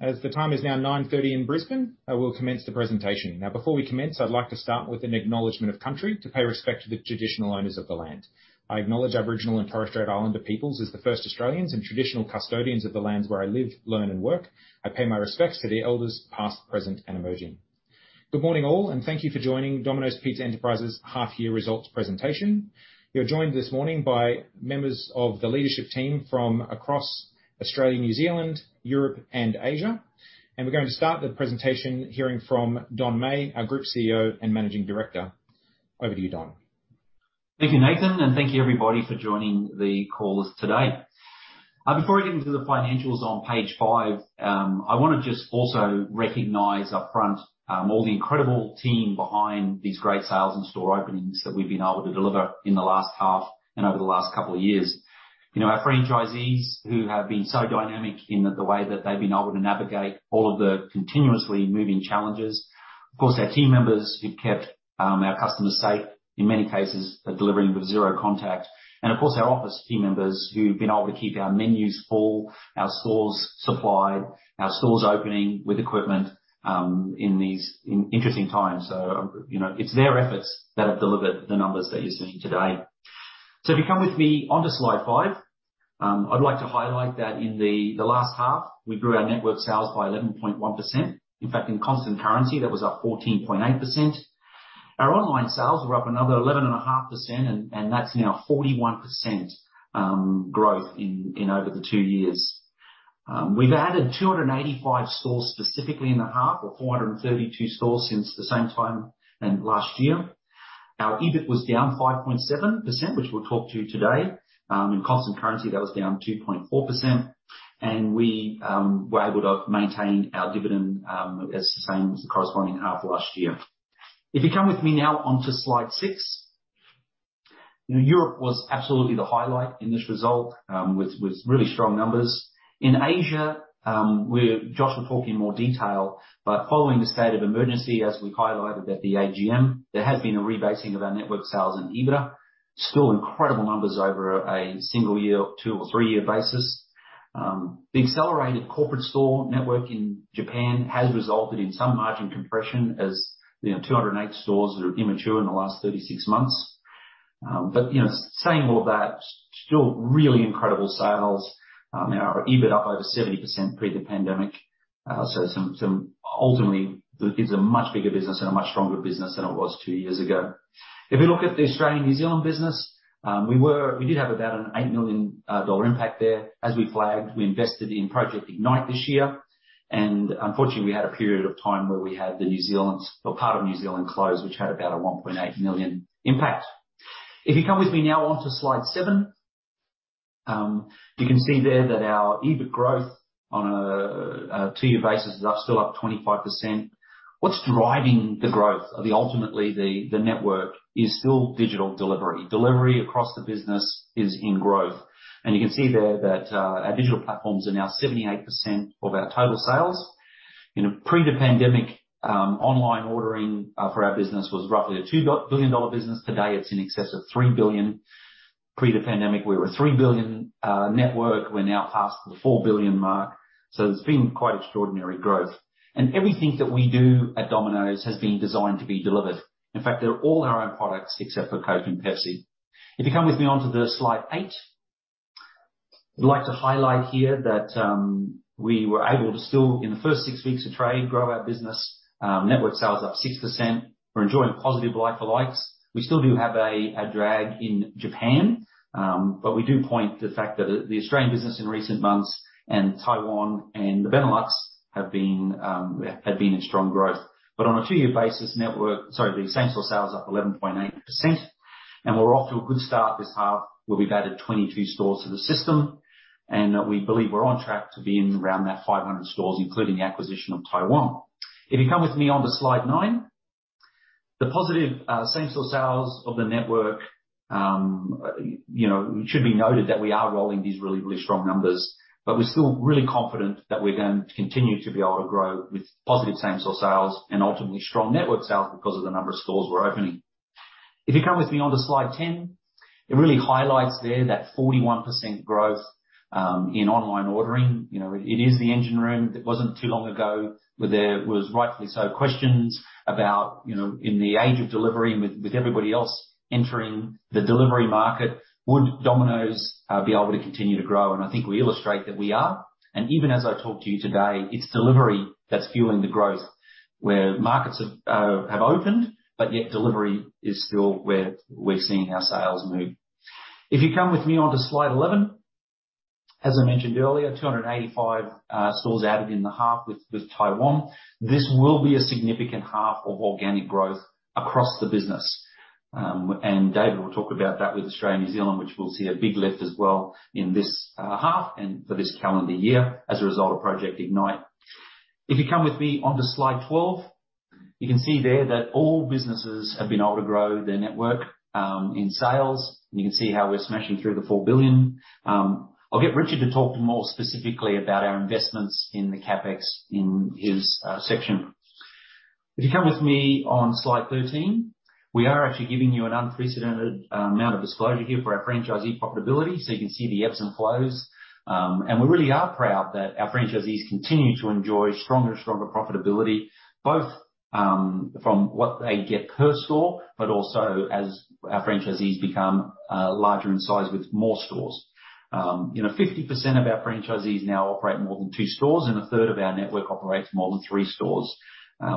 As the time is now 9:30 A.M. in Brisbane, I will commence the presentation. Now, before we commence, I'd like to start with an acknowledgement of country to pay respect to the Traditional Owners of the land. I acknowledge Aboriginal and Torres Strait Islander peoples as the First Australians and Traditional Custodians of the lands where I live, learn, and work. I pay my respects to the Elders past, present, and emerging. Good morning, all, and thank you for joining Domino's Pizza Enterprises' half-year results presentation. You're joined this morning by members of the leadership team from across Australia, New Zealand, Europe, and Asia, and we're going to start the presentation hearing from Don Meij, our Group CEO and Managing Director. Over to you, Don. Thank you, Nathan, and thank you, everybody, for joining the call today. Before I get into the financials on page five, I want to just also recognize upfront all the incredible team behind these great sales and store openings that we've been able to deliver in the last half and over the last couple of years. Our franchisees who have been so dynamic in the way that they've been able to navigate all of the continuously moving challenges. Of course, our team members who've kept our customers safe in many cases by delivering with zero contact. And of course, our office team members who've been able to keep our menus full, our stores supplied, our stores opening with equipment in these interesting times. So it's their efforts that have delivered the numbers that you're seeing today. If you come with me onto slide five, I'd like to highlight that in the last half, we grew our network sales by 11.1%. In fact, in constant currency, that was up 14.8%. Our online sales were up another 11.5%, and that's now 41% growth in over the two years. We've added 285 stores specifically in the half or 432 stores since the same time and last year. Our EBIT was down 5.7%, which we'll talk to today. In constant currency, that was down 2.4%. We were able to maintain our dividend as the same as the corresponding half last year. If you come with me now onto slide six, Europe was absolutely the highlight in this result with really strong numbers. In Asia, Josh will talk in more detail, but following the state of emergency, as we've highlighted at the AGM, there has been a rebasing of our network sales and EBITDA. Still incredible numbers over a single year, two- or three-year basis. The accelerated corporate store network in Japan has resulted in some margin compression as 208 stores are immature in the last 36 months. But saying all of that, still really incredible sales. Our EBIT up over 70% pre the pandemic. So ultimately, it's a much bigger business and a much stronger business than it was two years ago. If we look at the Australian-New Zealand business, we did have about an 8 million dollar impact there as we flagged. We invested in Project Ignite this year. And unfortunately, we had a period of time where we had the New Zealand or part of New Zealand closed, which had about a 1.8 million impact. If you come with me now onto slide seven, you can see there that our EBIT growth on a two-year basis is still up 25%. What's driving the growth ultimately? The network is still digital delivery. Delivery across the business is in growth. And you can see there that our digital platforms are now 78% of our total sales. Pre the pandemic, online ordering for our business was roughly a 2 billion dollar business. Today, it's in excess of 3 billion. Pre the pandemic, we were a 3 billion network. We're now past the 4 billion mark. So it's been quite extraordinary growth. And everything that we do at Domino's has been designed to be delivered. In fact, they're all our own products except for Coke and Pepsi. If you come with me onto slide eight, I'd like to highlight here that we were able to still, in the first six weeks of trade, grow our business. Network sales up 6%. We're enjoying positive like for likes. We still do have a drag in Japan, but we do point to the fact that the Australian business in recent months and Taiwan and the Benelux have been in strong growth, but on a two-year basis, network, sorry, the same-store sales up 11.8%, and we're off to a good start this half, we'll be back at 22 stores to the system, and we believe we're on track to be in around that 500 stores, including acquisition of Taiwan. If you come with me onto slide nine, the positive same-store sales of the network, it should be noted that we are rolling these really, really strong numbers, but we're still really confident that we're going to continue to be able to grow with positive same-store sales and ultimately strong network sales because of the number of stores we're opening. If you come with me onto slide 10, it really highlights there that 41% growth in online ordering. It is the engine room that wasn't too long ago where there was rightfully so questions about, in the age of delivery, with everybody else entering the delivery market, would Domino's be able to continue to grow? And I think we illustrate that we are. Even as I talk to you today, it's delivery that's fueling the growth where markets have opened, but yet delivery is still where we're seeing our sales move. If you come with me onto slide 11, as I mentioned earlier, 285 stores added in the half with Taiwan. This will be a significant half of organic growth across the business. David will talk about that with Australia and New Zealand, which we'll see a big lift as well in this half and for this calendar year as a result of Project Ignite. If you come with me onto slide 12, you can see there that all businesses have been able to grow their network sales. You can see how we're smashing through the 4 billion. I'll get Richard to talk more specifically about our investments in the CapEx in his section. If you come with me on slide 13, we are actually giving you an unprecedented amount of disclosure here for our franchisee profitability. So you can see the ebbs and flows. And we really are proud that our franchisees continue to enjoy stronger and stronger profitability, both from what they get per store, but also as our franchisees become larger in size with more stores. 50% of our franchisees now operate more than two stores, and a third of our network operates more than three stores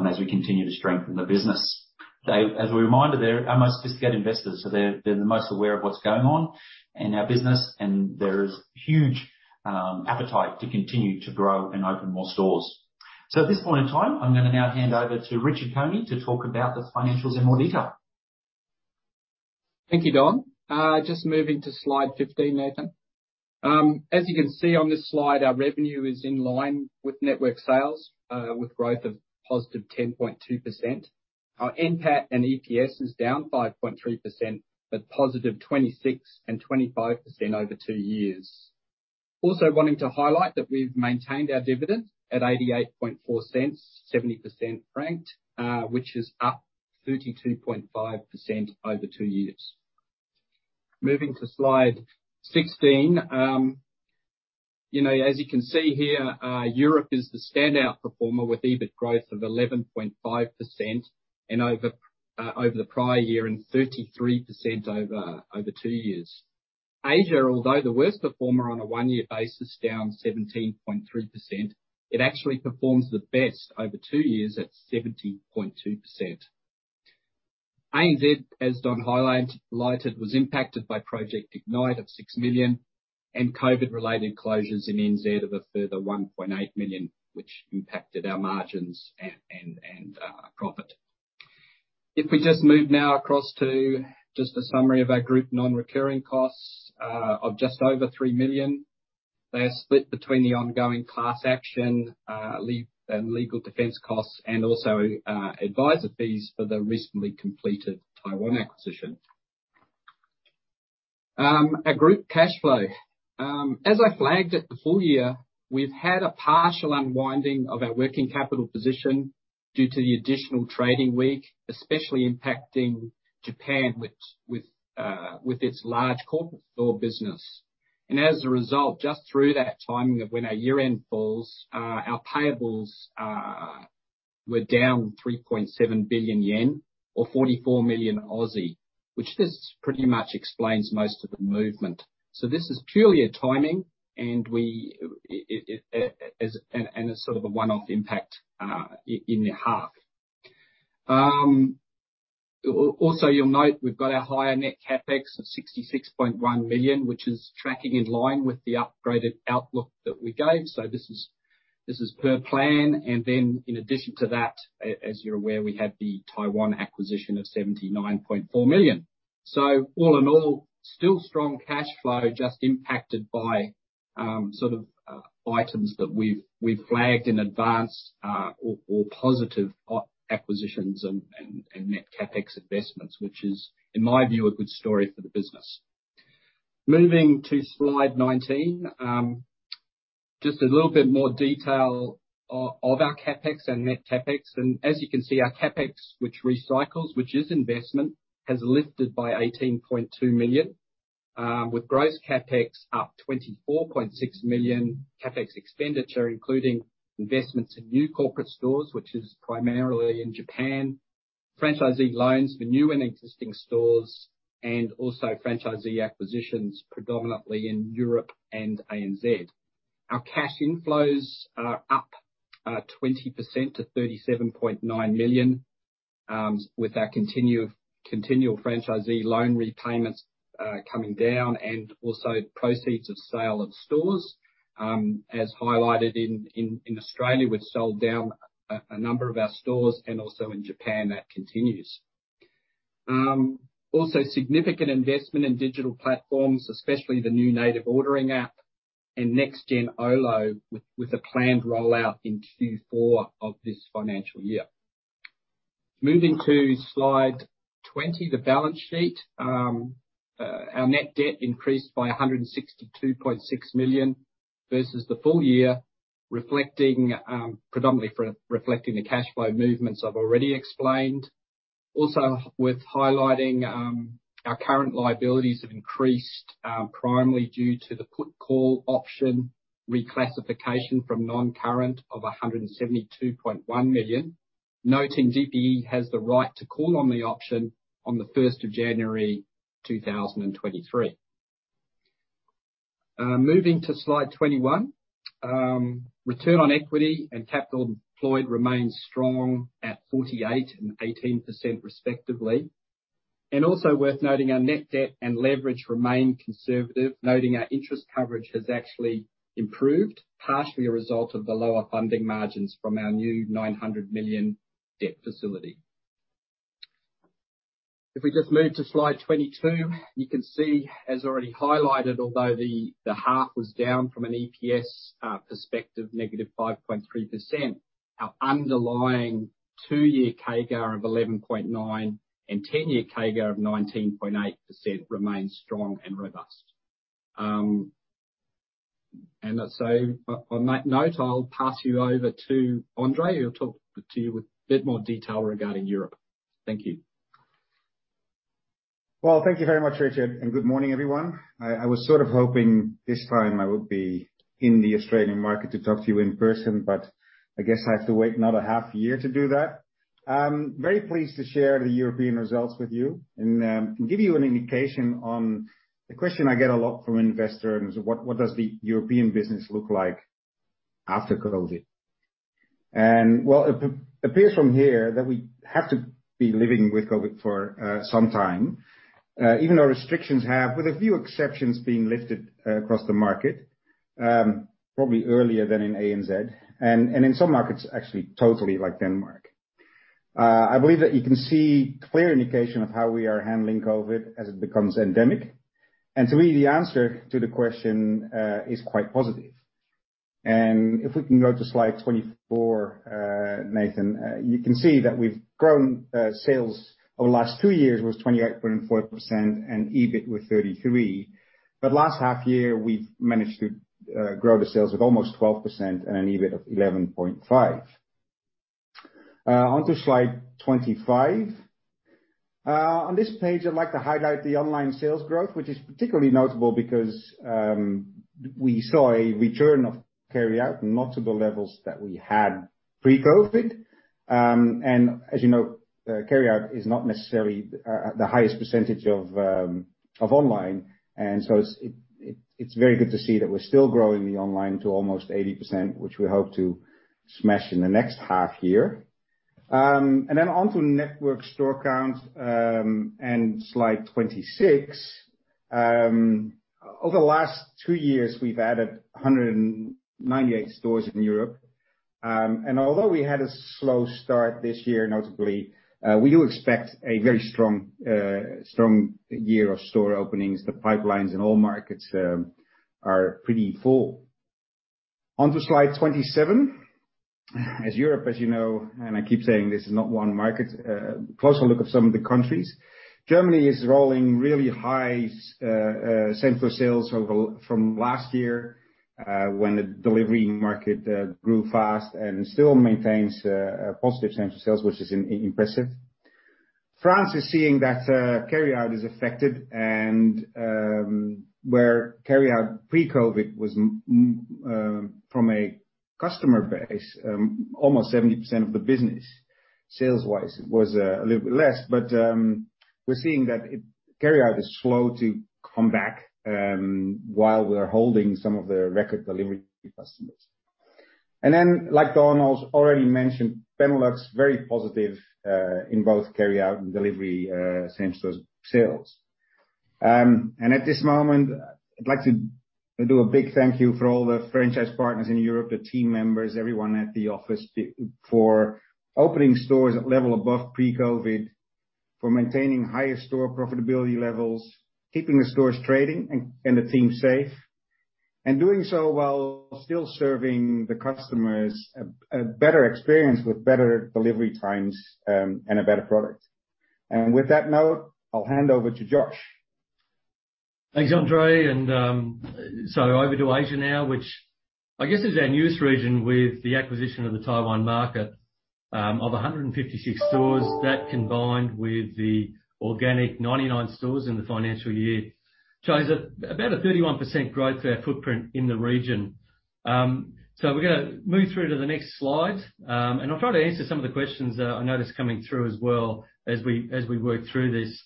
as we continue to strengthen the business. As a reminder, they're our most sophisticated investors, so they're the most aware of what's going on in our business, and there is huge appetite to continue to grow and open more stores. So at this point in time, I'm going to now hand over to Richard Coney to talk about the financials in more detail. Thank you, Don. Just moving to slide 15, Nathan. As you can see on this slide, our revenue is in line with network sales, with growth of positive 10.2%. Our NPAT and EPS is down 5.3%, but positive 26% and 25% over two years. Also wanting to highlight that we've maintained our dividend at 0.884, 70% franked, which is up 32.5% over two years. Moving to slide 16, as you can see here, Europe is the standout performer with EBIT growth of 11.5% over the prior year and 33% over two years. Asia, although the worst performer on a one-year basis, down 17.3%, it actually performs the best over two years at 70.2%. ANZ, as Don highlighted, was impacted by Project Ignite of 6 million and COVID-related closures in NZ of a further 1.8 million, which impacted our margins and profit. If we just move now across to just a summary of our group non-recurring costs of just over 3 million, they are split between the ongoing class action and legal defense costs and also advisor fees for the recently completed Taiwan acquisition. Our group cash flow. As I flagged at the full year, we've had a partial unwinding of our working capital position due to the additional trading week, especially impacting Japan with its large corporate store business. And as a result, just through that timing of when our year-end falls, our payables were down 3.7 billion yen or 44 million, which this pretty much explains most of the movement. So this is purely a timing and a sort of a one-off impact in the half. Also, you'll note we've got our higher net CapEx of 66.1 million, which is tracking in line with the upgraded outlook that we gave. So this is per plan. And then in addition to that, as you're aware, we had the Taiwan acquisition of 79.4 million. So all in all, still strong cash flow, just impacted by sort of items that we've flagged in advance or positive acquisitions and net CapEx investments, which is, in my view, a good story for the business. Moving to slide 19, just a little bit more detail of our CapEx and net CapEx. And as you can see, our CapEx, which recycles, which is investment, has lifted by 18.2 million, with gross CapEx up 24.6 million, CapEx expenditure, including investments in new corporate stores, which is primarily in Japan, franchisee loans for new and existing stores, and also franchisee acquisitions predominantly in Europe and ANZ. Our cash inflows are up 20% to 37.9 million, with our continual franchisee loan repayments coming down and also proceeds of sale of stores, as highlighted in Australia, which sold down a number of our stores, and also in Japan, that continues. Also, significant investment in digital platforms, especially the new native ordering app and Next Gen OLO, with a planned rollout in Q4 of this financial year. Moving to slide 20, the balance sheet. Our net debt increased by 162.6 million versus the full year, predominantly reflecting the cash flow movements I've already explained. Also, worth highlighting, our current liabilities have increased primarily due to the put-call option reclassification from non-current of 172.1 million, noting DPE has the right to call on the option on the 1st of January 2023. Moving to slide 21, return on equity and capital employed remains strong at 48% and 18% respectively. And also worth noting, our net debt and leverage remain conservative, noting our interest coverage has actually improved, partially a result of the lower funding margins from our new 900 million debt facility. If we just move to slide 22, you can see, as already highlighted, although the half was down from an EPS perspective, negative 5.3%, our underlying two-year CAGR of 11.9% and 10-year CAGR of 19.8% remains strong and robust. And so on that note, I'll pass you over to Andre who will talk to you with a bit more detail regarding Europe. Thank you. Thank you very much, Richard. Good morning, everyone. I was sort of hoping this time I would be in the Australian market to talk to you in person, but I guess I have to wait another half year to do that. Very pleased to share the European results with you and give you an indication on the question I get a lot from investors, what does the European business look like after COVID? It appears from here that we have to be living with COVID for some time, even though restrictions have, with a few exceptions being lifted across the market, probably earlier than in ANZ and in some markets actually totally like Denmark. I believe that you can see clear indication of how we are handling COVID as it becomes endemic. To me, the answer to the question is quite positive. And if we can go to slide 24, Nathan. You can see that we've grown sales over the last two years was 28.4% and EBIT was 33%. But last half year, we've managed to grow the sales with almost 12% and an EBIT of 11.5%. Onto slide 25. On this page, I'd like to highlight the online sales growth, which is particularly notable because we saw a return of carryout not to the levels that we had pre-COVID. And as you know, carryout is not necessarily the highest percentage of online. And so it's very good to see that we're still growing the online to almost 80%, which we hope to smash in the next half year. And then onto network store count and slide 26. Over the last two years, we've added 198 stores in Europe. Although we had a slow start this year, notably, we do expect a very strong year of store openings. The pipelines in all markets are pretty full. Onto slide 27. Europe, as you know, and I keep saying, is not one market. A closer look at some of the countries. Germany is rolling really high same-store sales from last year when the delivery market grew fast and still maintains a positive same-store sales, which is impressive. France is seeing that carryout is affected, and where carryout pre-COVID was from a customer base, almost 70% of the business sales-wise, it was a little bit less. But we're seeing that carryout is slow to come back while we're holding some of the record delivery customers. Like Don already mentioned, Benelux, very positive in both carryout and delivery same-store sales. At this moment, I'd like to do a big thank you for all the franchise partners in Europe, the team members, everyone at the office for opening stores at level above pre-COVID, for maintaining higher store profitability levels, keeping the stores trading and the team safe, and doing so while still serving the customers a better experience with better delivery times and a better product. With that note, I'll hand over to Josh. Thanks, Andre. And so over to Asia now, which I guess is our newest region with the acquisition of the Taiwan market of 156 stores that combined with the organic 99 stores in the financial year shows about a 31% growth of our footprint in the region. So we're going to move through to the next slide. And I'll try to answer some of the questions I noticed coming through as well as we work through this.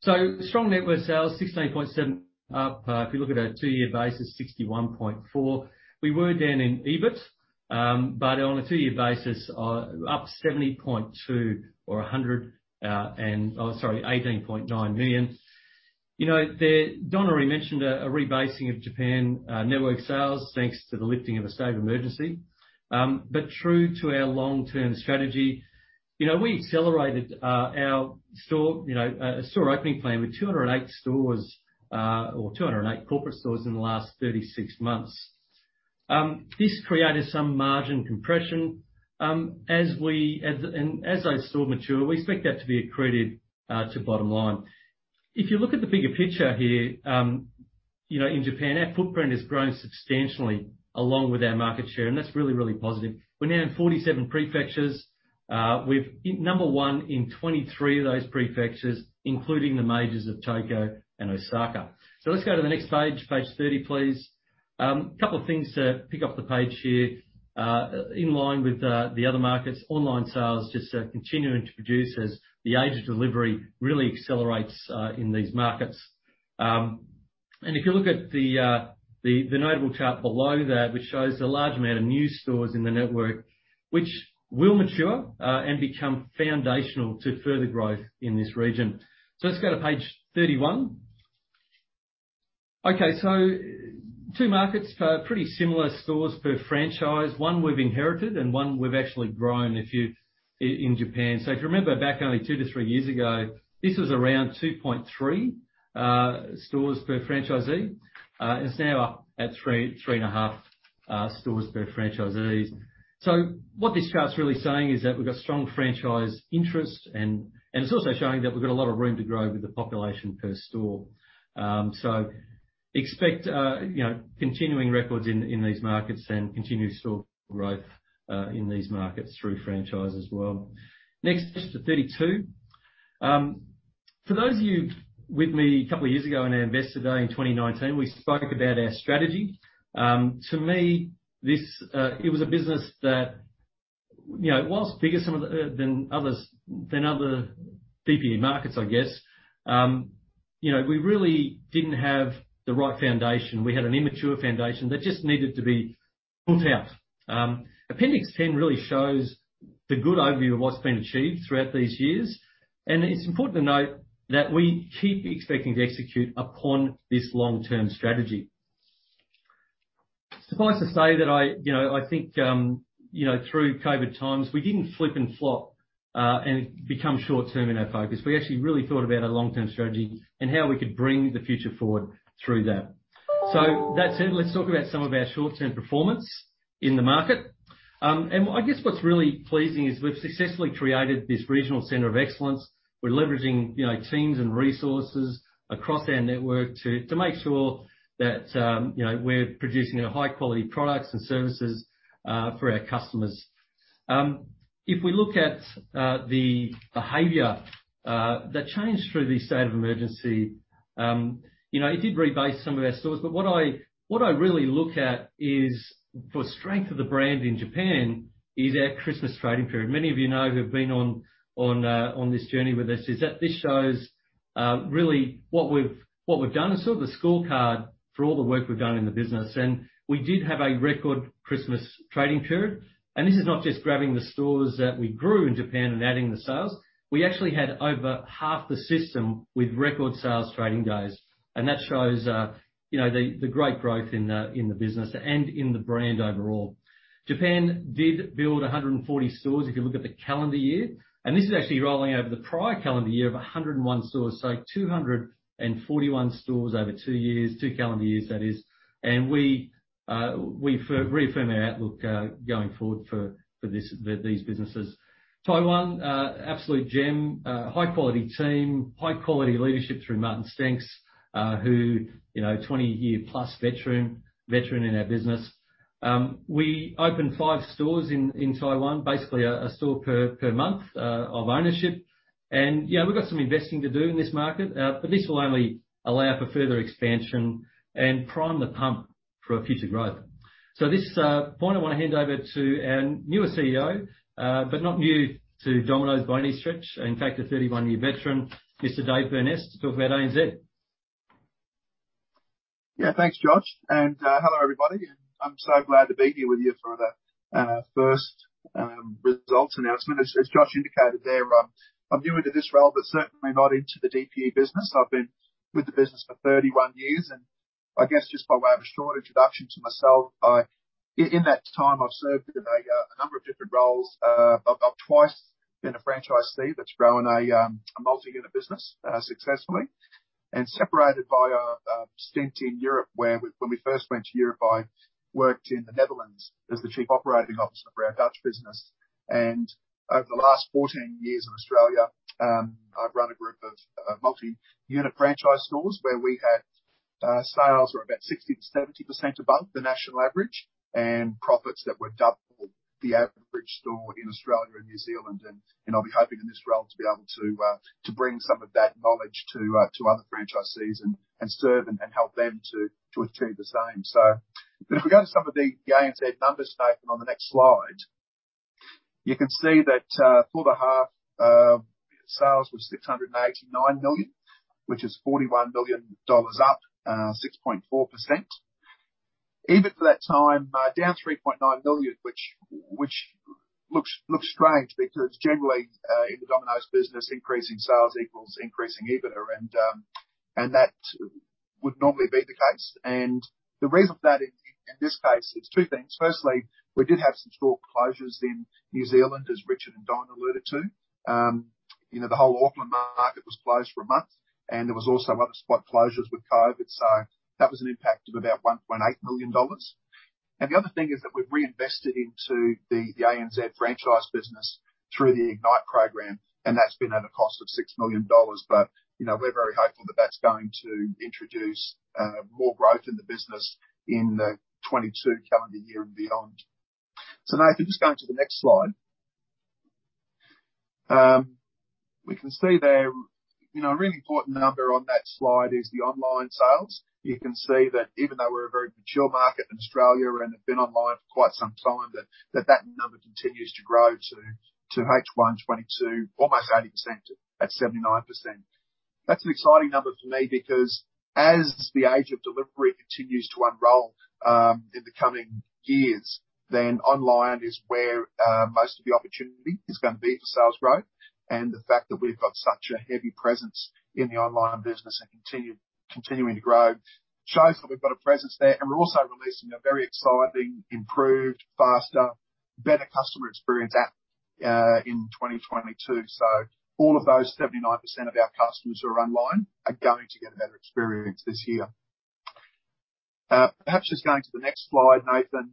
So strong network sales, 16.7% up. If you look at a two-year basis, 61.4%. We were down in EBIT, but on a two-year basis, up 70.2% or 100, sorry, 18.9 million. Don already mentioned a rebasing of Japan network sales thanks to the lifting of a state of emergency. But true to our long-term strategy, we accelerated our store opening plan with 208 stores or 208 corporate stores in the last 36 months. This created some margin compression, and as those stores mature, we expect that to be accreted to bottom line. If you look at the bigger picture here in Japan, our footprint has grown substantially along with our market share, and that's really, really positive. We're now in 47 prefectures. We're number one in 23 of those prefectures, including the majors of Tokyo and Osaka, so let's go to the next page, page 30, please. A couple of things to pick up the page here in line with the other markets. Online sales just continue to produce as the age of delivery really accelerates in these markets, and if you look at the notable chart below there, which shows a large amount of new stores in the network, which will mature and become foundational to further growth in this region, so let's go to page 31. Okay, so two markets for pretty similar stores per franchise, one we've inherited and one we've actually grown in Japan. So if you remember back only two to three years ago, this was around 2.3 stores per franchisee. It's now up at 3.5 stores per franchisee. So what this chart's really saying is that we've got strong franchise interest, and it's also showing that we've got a lot of room to grow with the population per store. So expect continuing records in these markets and continued store growth in these markets through franchise as well. Next, page 32. For those of you with me a couple of years ago in our investor day in 2019, we spoke about our strategy. To me, it was a business that, while bigger than other DPE markets, I guess, we really didn't have the right foundation. We had an immature foundation that just needed to be built out. Appendix 10 really shows the good overview of what's been achieved throughout these years. And it's important to note that we keep expecting to execute upon this long-term strategy. Suffice to say that I think through COVID times, we didn't flip and flop and become short-term in our focus. We actually really thought about a long-term strategy and how we could bring the future forward through that. So that said, let's talk about some of our short-term performance in the market. And I guess what's really pleasing is we've successfully created this regional center of excellence. We're leveraging teams and resources across our network to make sure that we're producing high-quality products and services for our customers. If we look at the behavior that changed through the state of emergency, it did rebase some of our stores. What I really look at for the strength of the brand in Japan is our Christmas trading period. Many of you know who've been on this journey with us. This shows really what we've done, sort of the scorecard for all the work we've done in the business. We did have a record Christmas trading period. This is not just grabbing the stores that we grew in Japan and adding the sales. We actually had over half the system with record sales trading days. That shows the great growth in the business and in the brand overall. Japan did build 140 stores if you look at the calendar year. This is actually rolling over the prior calendar year of 101 stores, so 241 stores over two years, two calendar years, that is. We reaffirm our outlook going forward for these businesses. Taiwan, absolute gem, high-quality team, high-quality leadership through Martin Steenks, who is a 20-year-plus veteran in our business. We opened five stores in Taiwan, basically a store per month of ownership, and we've got some investing to do in this market, but this will only allow for further expansion and prime the pump for future growth, so at this point, I want to hand over to our newest CEO, but not new to Domino's by any stretch, in fact, a 31-year veteran, Mr. Dave Burness, to talk about ANZ. Yeah, thanks, Josh. And hello, everybody. And I'm so glad to be here with you for the first results announcement. As Josh indicated there, I'm new into this role, but certainly not into the DPE business. I've been with the business for 31 years. And I guess just by way of a short introduction to myself, in that time, I've served in a number of different roles. I've twice been a franchisee that's grown a multi-unit business successfully and separated by a stint in Europe where when we first went to Europe, I worked in the Netherlands as the chief operating officer for our Dutch business. And over the last 14 years in Australia, I've run a group of multi-unit franchise stores where we had sales that were about 60%-70% above the national average and profits that were double the average store in Australia and New Zealand. I'll be hoping in this role to be able to bring some of that knowledge to other franchisees and serve and help them to achieve the same. If we go to some of the ANZ numbers taken on the next slide, you can see that for the half, sales were 689 million, which is 41 million dollars up, 6.4%. EBIT for that time, down 3.9 million, which looks strange because generally in the Domino's business, increasing sales equals increasing EBIT, and that would normally be the case. The reason for that in this case, it's two things. Firstly, we did have some store closures in New Zealand, as Richard and Don alerted to. The whole Auckland market was closed for a month, and there were also other spot closures with COVID. So that was an impact of about 1.8 million dollars. And the other thing is that we've reinvested into the ANZ franchise business through the Ignite program, and that's been at a cost of 6 million dollars. But we're very hopeful that that's going to introduce more growth in the business in the 2022 calendar year and beyond. So now, if you're just going to the next slide, we can see there a really important number on that slide is the online sales. You can see that even though we're a very mature market in Australia and have been online for quite some time, that number continues to grow to H1 2022, almost 80% at 79%. That's an exciting number for me because as the age of delivery continues to unroll in the coming years, then online is where most of the opportunity is going to be for sales growth. The fact that we've got such a heavy presence in the online business and continuing to grow shows that we've got a presence there. We're also releasing a very exciting, improved, faster, better customer experience app in 2022. All of those 79% of our customers who are online are going to get a better experience this year. Perhaps just going to the next slide, Nathan.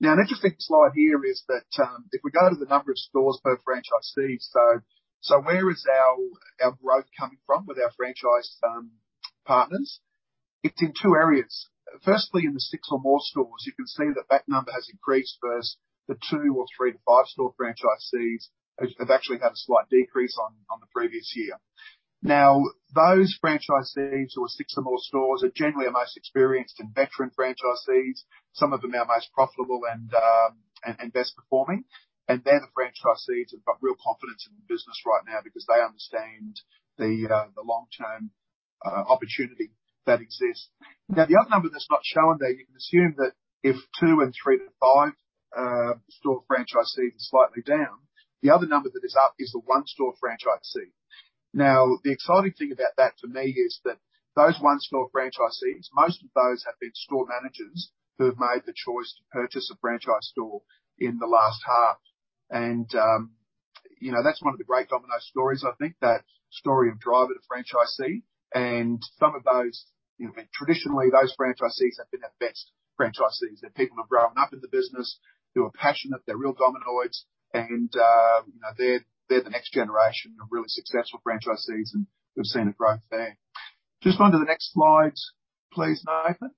Now, an interesting slide here is that if we go to the number of stores per franchisee, so where is our growth coming from with our franchise partners? It's in two areas. Firstly, in the six or more stores, you can see that that number has increased versus the two or three to five store franchisees have actually had a slight decrease on the previous year. Now, those franchisees who are six or more stores are generally our most experienced and veteran franchisees. Some of them are most profitable and best performing. And they're the franchisees who've got real confidence in the business right now because they understand the long-term opportunity that exists. Now, the other number that's not shown there, you can assume that if two and three to five store franchisees are slightly down, the other number that is up is the one-store franchisee. Now, the exciting thing about that for me is that those one-store franchisees, most of those have been store managers who have made the choice to purchase a franchise store in the last half. And that's one of the great Domino's stories, I think, that story of driver to franchisee. And some of those, traditionally, those franchisees have been our best franchisees. They're people who have grown up in the business, who are passionate, they're real Domino's, and they're the next generation of really successful franchisees, and we've seen a growth there. Just going to the next slide, please, Nathan.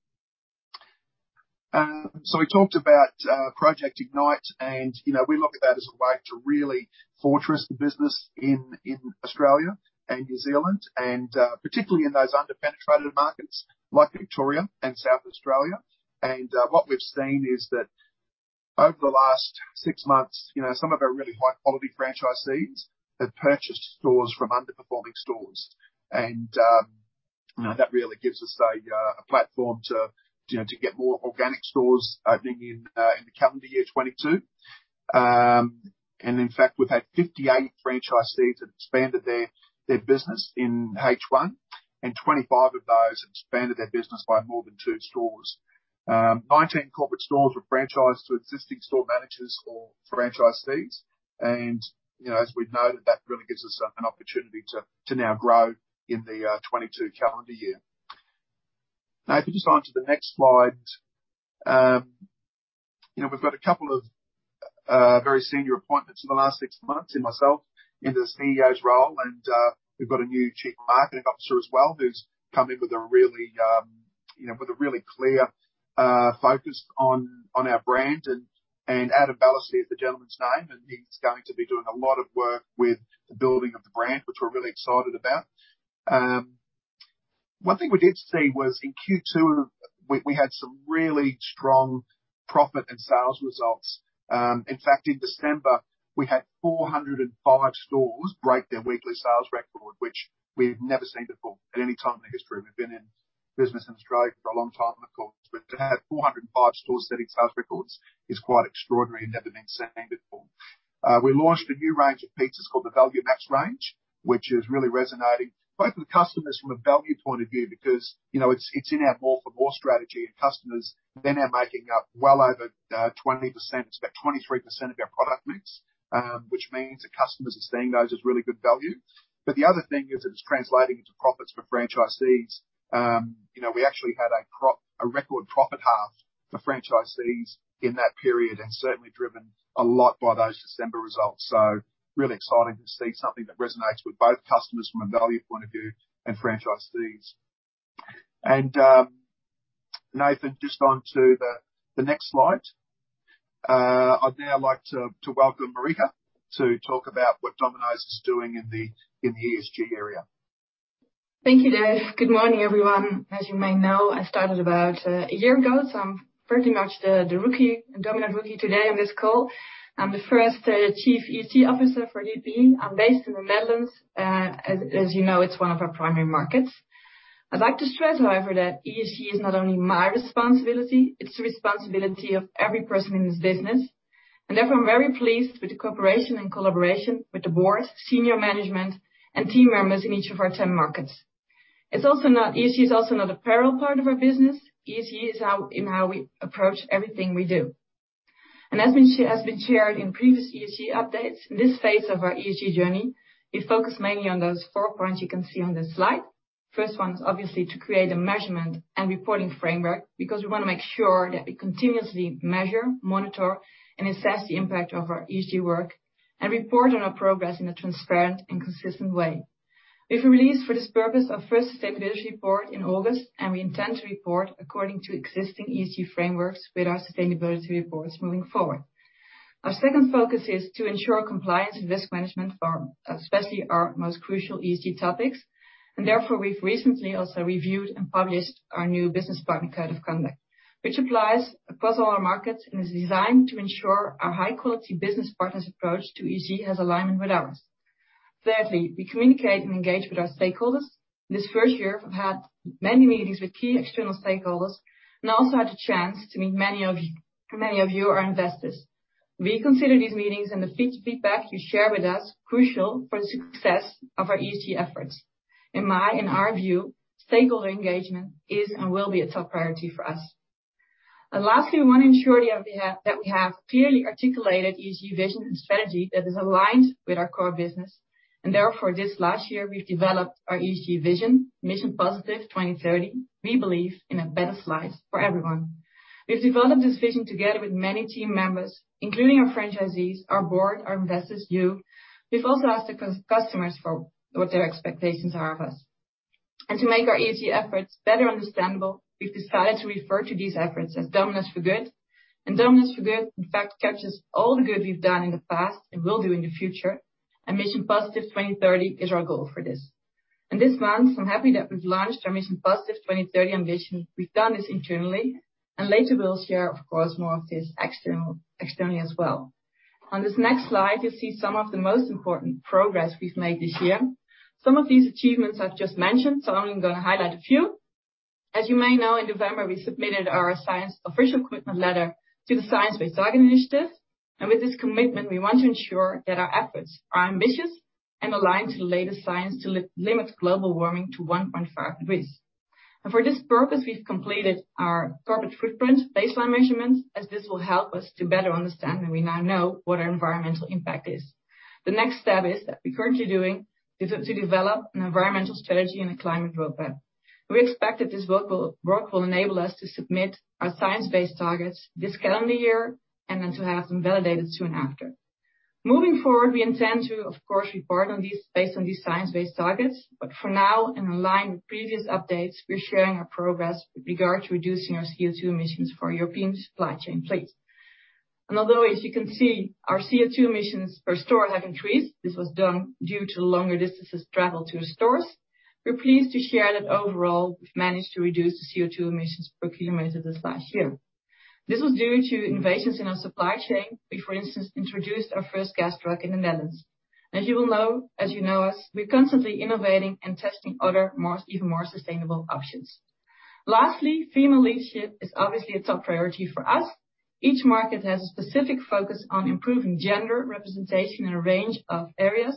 So we talked about Project Ignite, and we look at that as a way to really fortress the business in Australia and New Zealand, and particularly in those under-penetrated markets like Victoria and South Australia. And what we've seen is that over the last six months, some of our really high-quality franchisees have purchased stores from underperforming stores. And that really gives us a platform to get more organic stores opening in the calendar year 2022. And in fact, we've had 58 franchisees that expanded their business in H1, and 25 of those expanded their business by more than two stores. 19 corporate stores were franchised to existing store managers or franchisees. As we've noted, that really gives us an opportunity to now grow in the 2022 calendar year. Now, if you just go on to the next slide, we've got a couple of very senior appointments in the last six months, myself into the CEO's role. We've got a new Chief Marketing Officer as well who's come in with a really clear focus on our brand. Adam Ballesty is the gentleman's name, and he's going to be doing a lot of work with the building of the brand, which we're really excited about. One thing we did see was in Q2, we had some really strong profit and sales results. In fact, in December, we had 405 stores break their weekly sales record, which we've never seen before at any time in history. We've been in business in Australia for a long time, of course, but to have 405 stores setting sales records is quite extraordinary and never been seen before. We launched a new range of pizzas called the Value Max range, which is really resonating, both with customers from a value point of view because it's in our More for More strategy, and customers then are making up well over 20%; it's about 23% of our product mix, which means that customers are seeing those as really good value. But the other thing is that it's translating into profits for franchisees. We actually had a record profit half for franchisees in that period and certainly driven a lot by those December results. So really exciting to see something that resonates with both customers from a value point of view and franchisees. And Nathan, just on to the next slide. I'd now like to welcome Marika to talk about what Domino's is doing in the ESG area. Thank you, Dave. Good morning, everyone. As you may know, I started about a year ago, so I'm pretty much the rookie, a Dominant Rookie today on this call. I'm the first Chief ESG Officer for DPE. I'm based in the Netherlands. As you know, it's one of our primary markets. I'd like to stress, however, that ESG is not only my responsibility. It's the responsibility of every person in this business, and therefore, I'm very pleased with the cooperation and collaboration with the board, senior management, and team members in each of our 10 markets. ESG is also not a parallel part of our business. ESG is in how we approach everything we do. And as has been shared in previous ESG updates, in this phase of our ESG journey, we focus mainly on those four points you can see on this slide. First one is obviously to create a measurement and reporting framework because we want to make sure that we continuously measure, monitor, and assess the impact of our ESG work and report on our progress in a transparent and consistent way. We've released for this purpose our first sustainability report in August, and we intend to report according to existing ESG frameworks with our sustainability reports moving forward. Our second focus is to ensure compliance and risk management for especially our most crucial ESG topics. And therefore, we've recently also reviewed and published our new Business Partner Code of Conduct, which applies across all our markets and is designed to ensure our high-quality business partners' approach to ESG has alignment with ours. Thirdly, we communicate and engage with our stakeholders. This first year, we've had many meetings with key external stakeholders and also had the chance to meet many of you, our investors. We consider these meetings and the feedback you share with us crucial for the success of our ESG efforts. In our view, stakeholder engagement is and will be a top priority for us. And lastly, we want to ensure that we have clearly articulated ESG vision and strategy that is aligned with our core business. And therefore, this last year, we've developed our ESG vision, Mission Positive 2030. We believe in a better slice for everyone. We've developed this vision together with many team members, including our franchisees, our board, our investors, you. We've also asked our customers for what their expectations are of us. And to make our ESG efforts better understandable, we've decided to refer to these efforts as Domino's for Good. Domino's for Good, in fact, captures all the good we've done in the past and will do in the future. Mission Positive 2030 is our goal for this. This month, I'm happy that we've launched our Mission Positive 2030 ambition. We've done this internally, and later we'll share, of course, more of this externally as well. On this next slide, you'll see some of the most important progress we've made this year. Some of these achievements I've just mentioned, so I'm only going to highlight a few. As you may know, in November, we submitted our official commitment letter to the Science Based Targets initiative. With this commitment, we want to ensure that our efforts are ambitious and aligned to the latest science to limit global warming to 1.5 degrees. For this purpose, we've completed our corporate footprint baseline measurements, as this will help us to better understand that we now know what our environmental impact is. The next step is that we're currently doing to develop an environmental strategy and a climate roadmap. We expect that this work will enable us to submit our science-based targets this calendar year and then to have them validated soon after. Moving forward, we intend to, of course, report on these based on these science-based targets, but for now, and in line with previous updates, we're sharing our progress with regard to reducing our CO2 emissions for European supply chain fleets, and although, as you can see, our CO2 emissions per store have increased, this was done due to longer distances traveled to our stores. We're pleased to share that overall, we've managed to reduce the CO2 emissions per kilometer this last year. This was due to innovations in our supply chain. We, for instance, introduced our first gas truck in the Netherlands. As you will know, as you know us, we're constantly innovating and testing other, even more sustainable options. Lastly, female leadership is obviously a top priority for us. Each market has a specific focus on improving gender representation in a range of areas.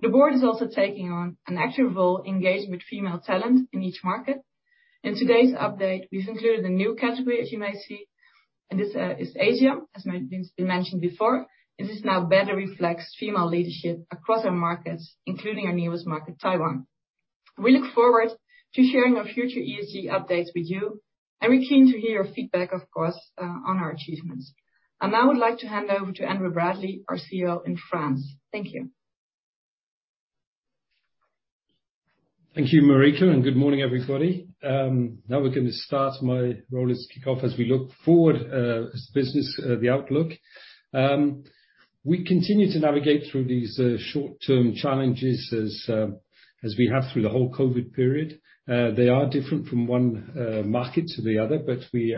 The board is also taking on an active role engaging with female talent in each market. In today's update, we've included a new category, as you may see, and this is Asia, as has been mentioned before. This now better reflects female leadership across our markets, including our newest market, Taiwan. We look forward to sharing our future ESG updates with you, and we're keen to hear your feedback, of course, on our achievements, and now I would like to hand over to Andrew Bradley, our CEO in France. Thank you. Thank you, Marika, and good morning, everybody. Now we're going to start my role as kickoff as we look forward as business, the outlook. We continue to navigate through these short-term challenges as we have through the whole COVID period. They are different from one market to the other, but we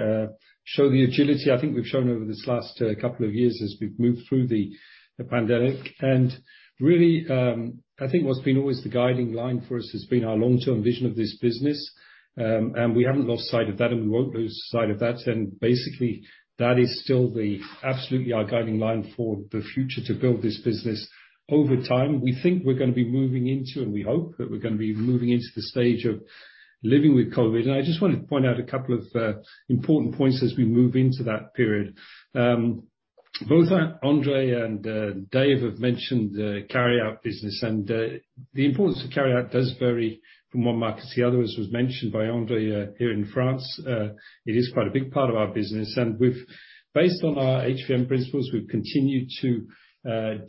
show the agility I think we've shown over this last couple of years as we've moved through the pandemic, and really, I think what's been always the guiding line for us has been our long-term vision of this business, and we haven't lost sight of that, and we won't lose sight of that, and basically, that is still absolutely our guiding line for the future to build this business over time. We think we're going to be moving into, and we hope that we're going to be moving into the stage of living with COVID. I just want to point out a couple of important points as we move into that period. Both Andre and Dave have mentioned carry-out business, and the importance of carry-out does vary from one market to the other, as was mentioned by Andre here in France. It is quite a big part of our business. Based on our HVM principles, we've continued to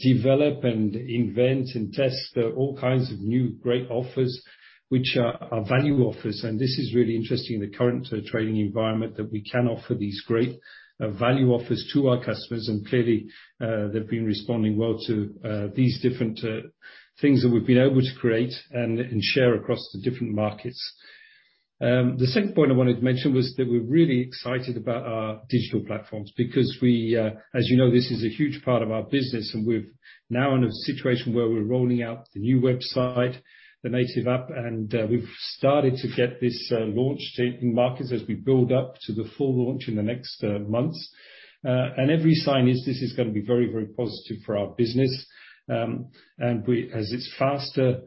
develop and invent and test all kinds of new great offers which are value offers. This is really interesting in the current trading environment that we can offer these great value offers to our customers. Clearly, they've been responding well to these different things that we've been able to create and share across the different markets. The second point I wanted to mention was that we're really excited about our digital platforms because, as you know, this is a huge part of our business, and we're now in a situation where we're rolling out the new website, the native app, and we've started to get this launched in markets as we build up to the full launch in the next months, and every sign is this is going to be very, very positive for our business, and as it's faster,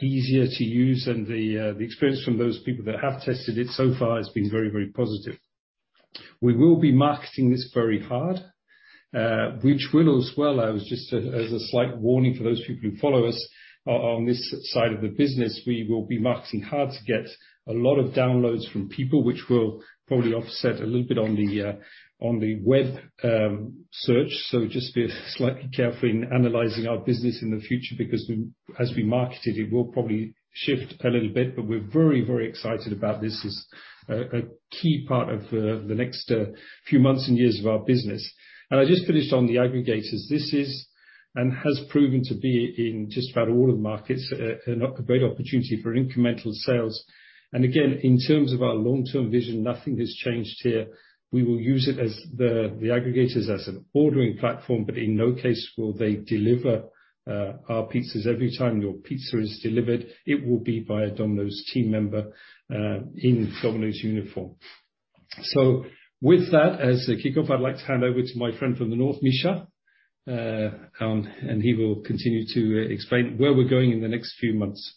easier to use, and the experience from those people that have tested it so far has been very, very positive. We will be marketing this very hard, which will, as well as, just as a slight warning for those people who follow us on this side of the business, we will be marketing hard to get a lot of downloads from people, which will probably offset a little bit on the web sales. So just be slightly careful in analyzing our business in the future because as we market it, it will probably shift a little bit. But we're very, very excited about this as a key part of the next few months and years of our business. And I just finished on the aggregators. This is, and has proven to be, in just about all of the markets a great opportunity for incremental sales. And again, in terms of our long-term vision, nothing has changed here. We will use the aggregators as an ordering platform, but in no case will they deliver our pizzas. Every time your pizza is delivered, it will be by a Domino's team member in Domino's uniform. So with that, as a kickoff, I'd like to hand over to my friend from the north, Misja, and he will continue to explain where we're going in the next few months.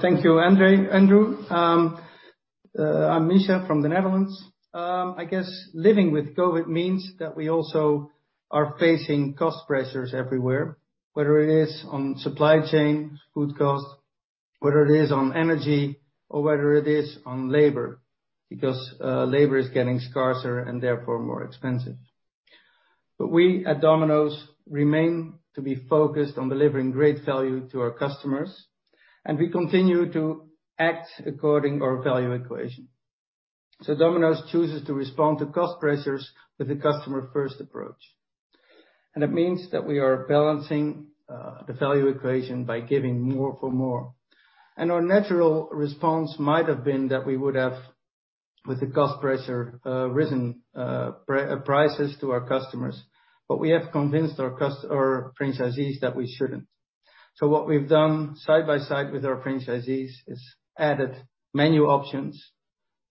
Thank you, Andrew. I'm Misja from the Netherlands. I guess living with COVID means that we also are facing cost pressures everywhere, whether it is on supply chain, food cost, whether it is on energy, or whether it is on labor because labor is getting scarcer and therefore more expensive. We at Domino's remain to be focused on delivering great value to our customers, and we continue to act according to our value equation. Domino's chooses to respond to cost pressures with a customer-first approach. That means that we are balancing the value equation by giving more for more. Our natural response might have been that we would have, with the cost pressure, risen prices to our customers, but we have convinced our franchisees that we shouldn't. So what we've done side by side with our franchisees is added menu options,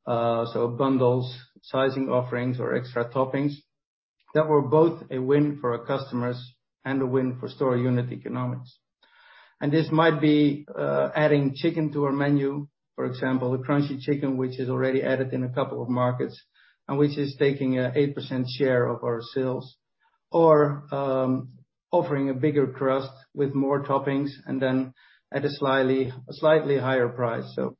so bundles, sizing offerings, or extra toppings that were both a win for our customers and a win for store unit economics. And this might be adding chicken to our menu, for example, Crunchy Chicken, which is already added in a couple of markets and which is taking an 8% share of our sales, or offering a bigger crust with more toppings and then at a slightly higher price. So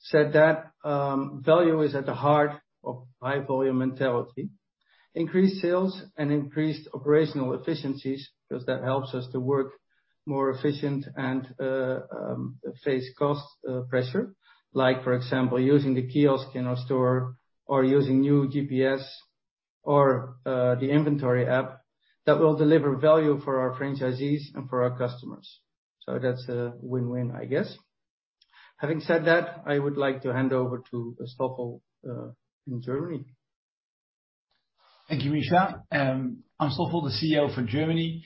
said that value is at the heart of high-volume mentality, increased sales, and increased operational efficiencies because that helps us to work more efficiently and face cost pressure, like, for example, using the kiosk in our store or using new GPS or the inventory app that will deliver value for our franchisees and for our customers. So that's a win-win, I guess. Having said that, I would like to hand over to Stoffel in Germany. Thank you, Misja. I'm Stoffel, the CEO for Germany,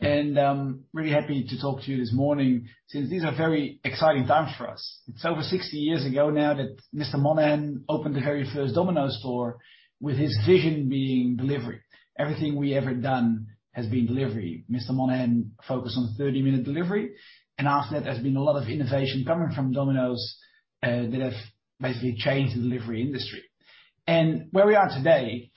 and I'm really happy to talk to you this morning since these are very exciting times for us. It's over 60 years ago now that Mr. Monaghan opened the very first Domino's store with his vision being delivery. Everything we ever done has been delivery. Mr. Monaghan focused on 30-minute delivery, and after that, there's been a lot of innovation coming from Domino's that have basically changed the delivery industry. And where we are today,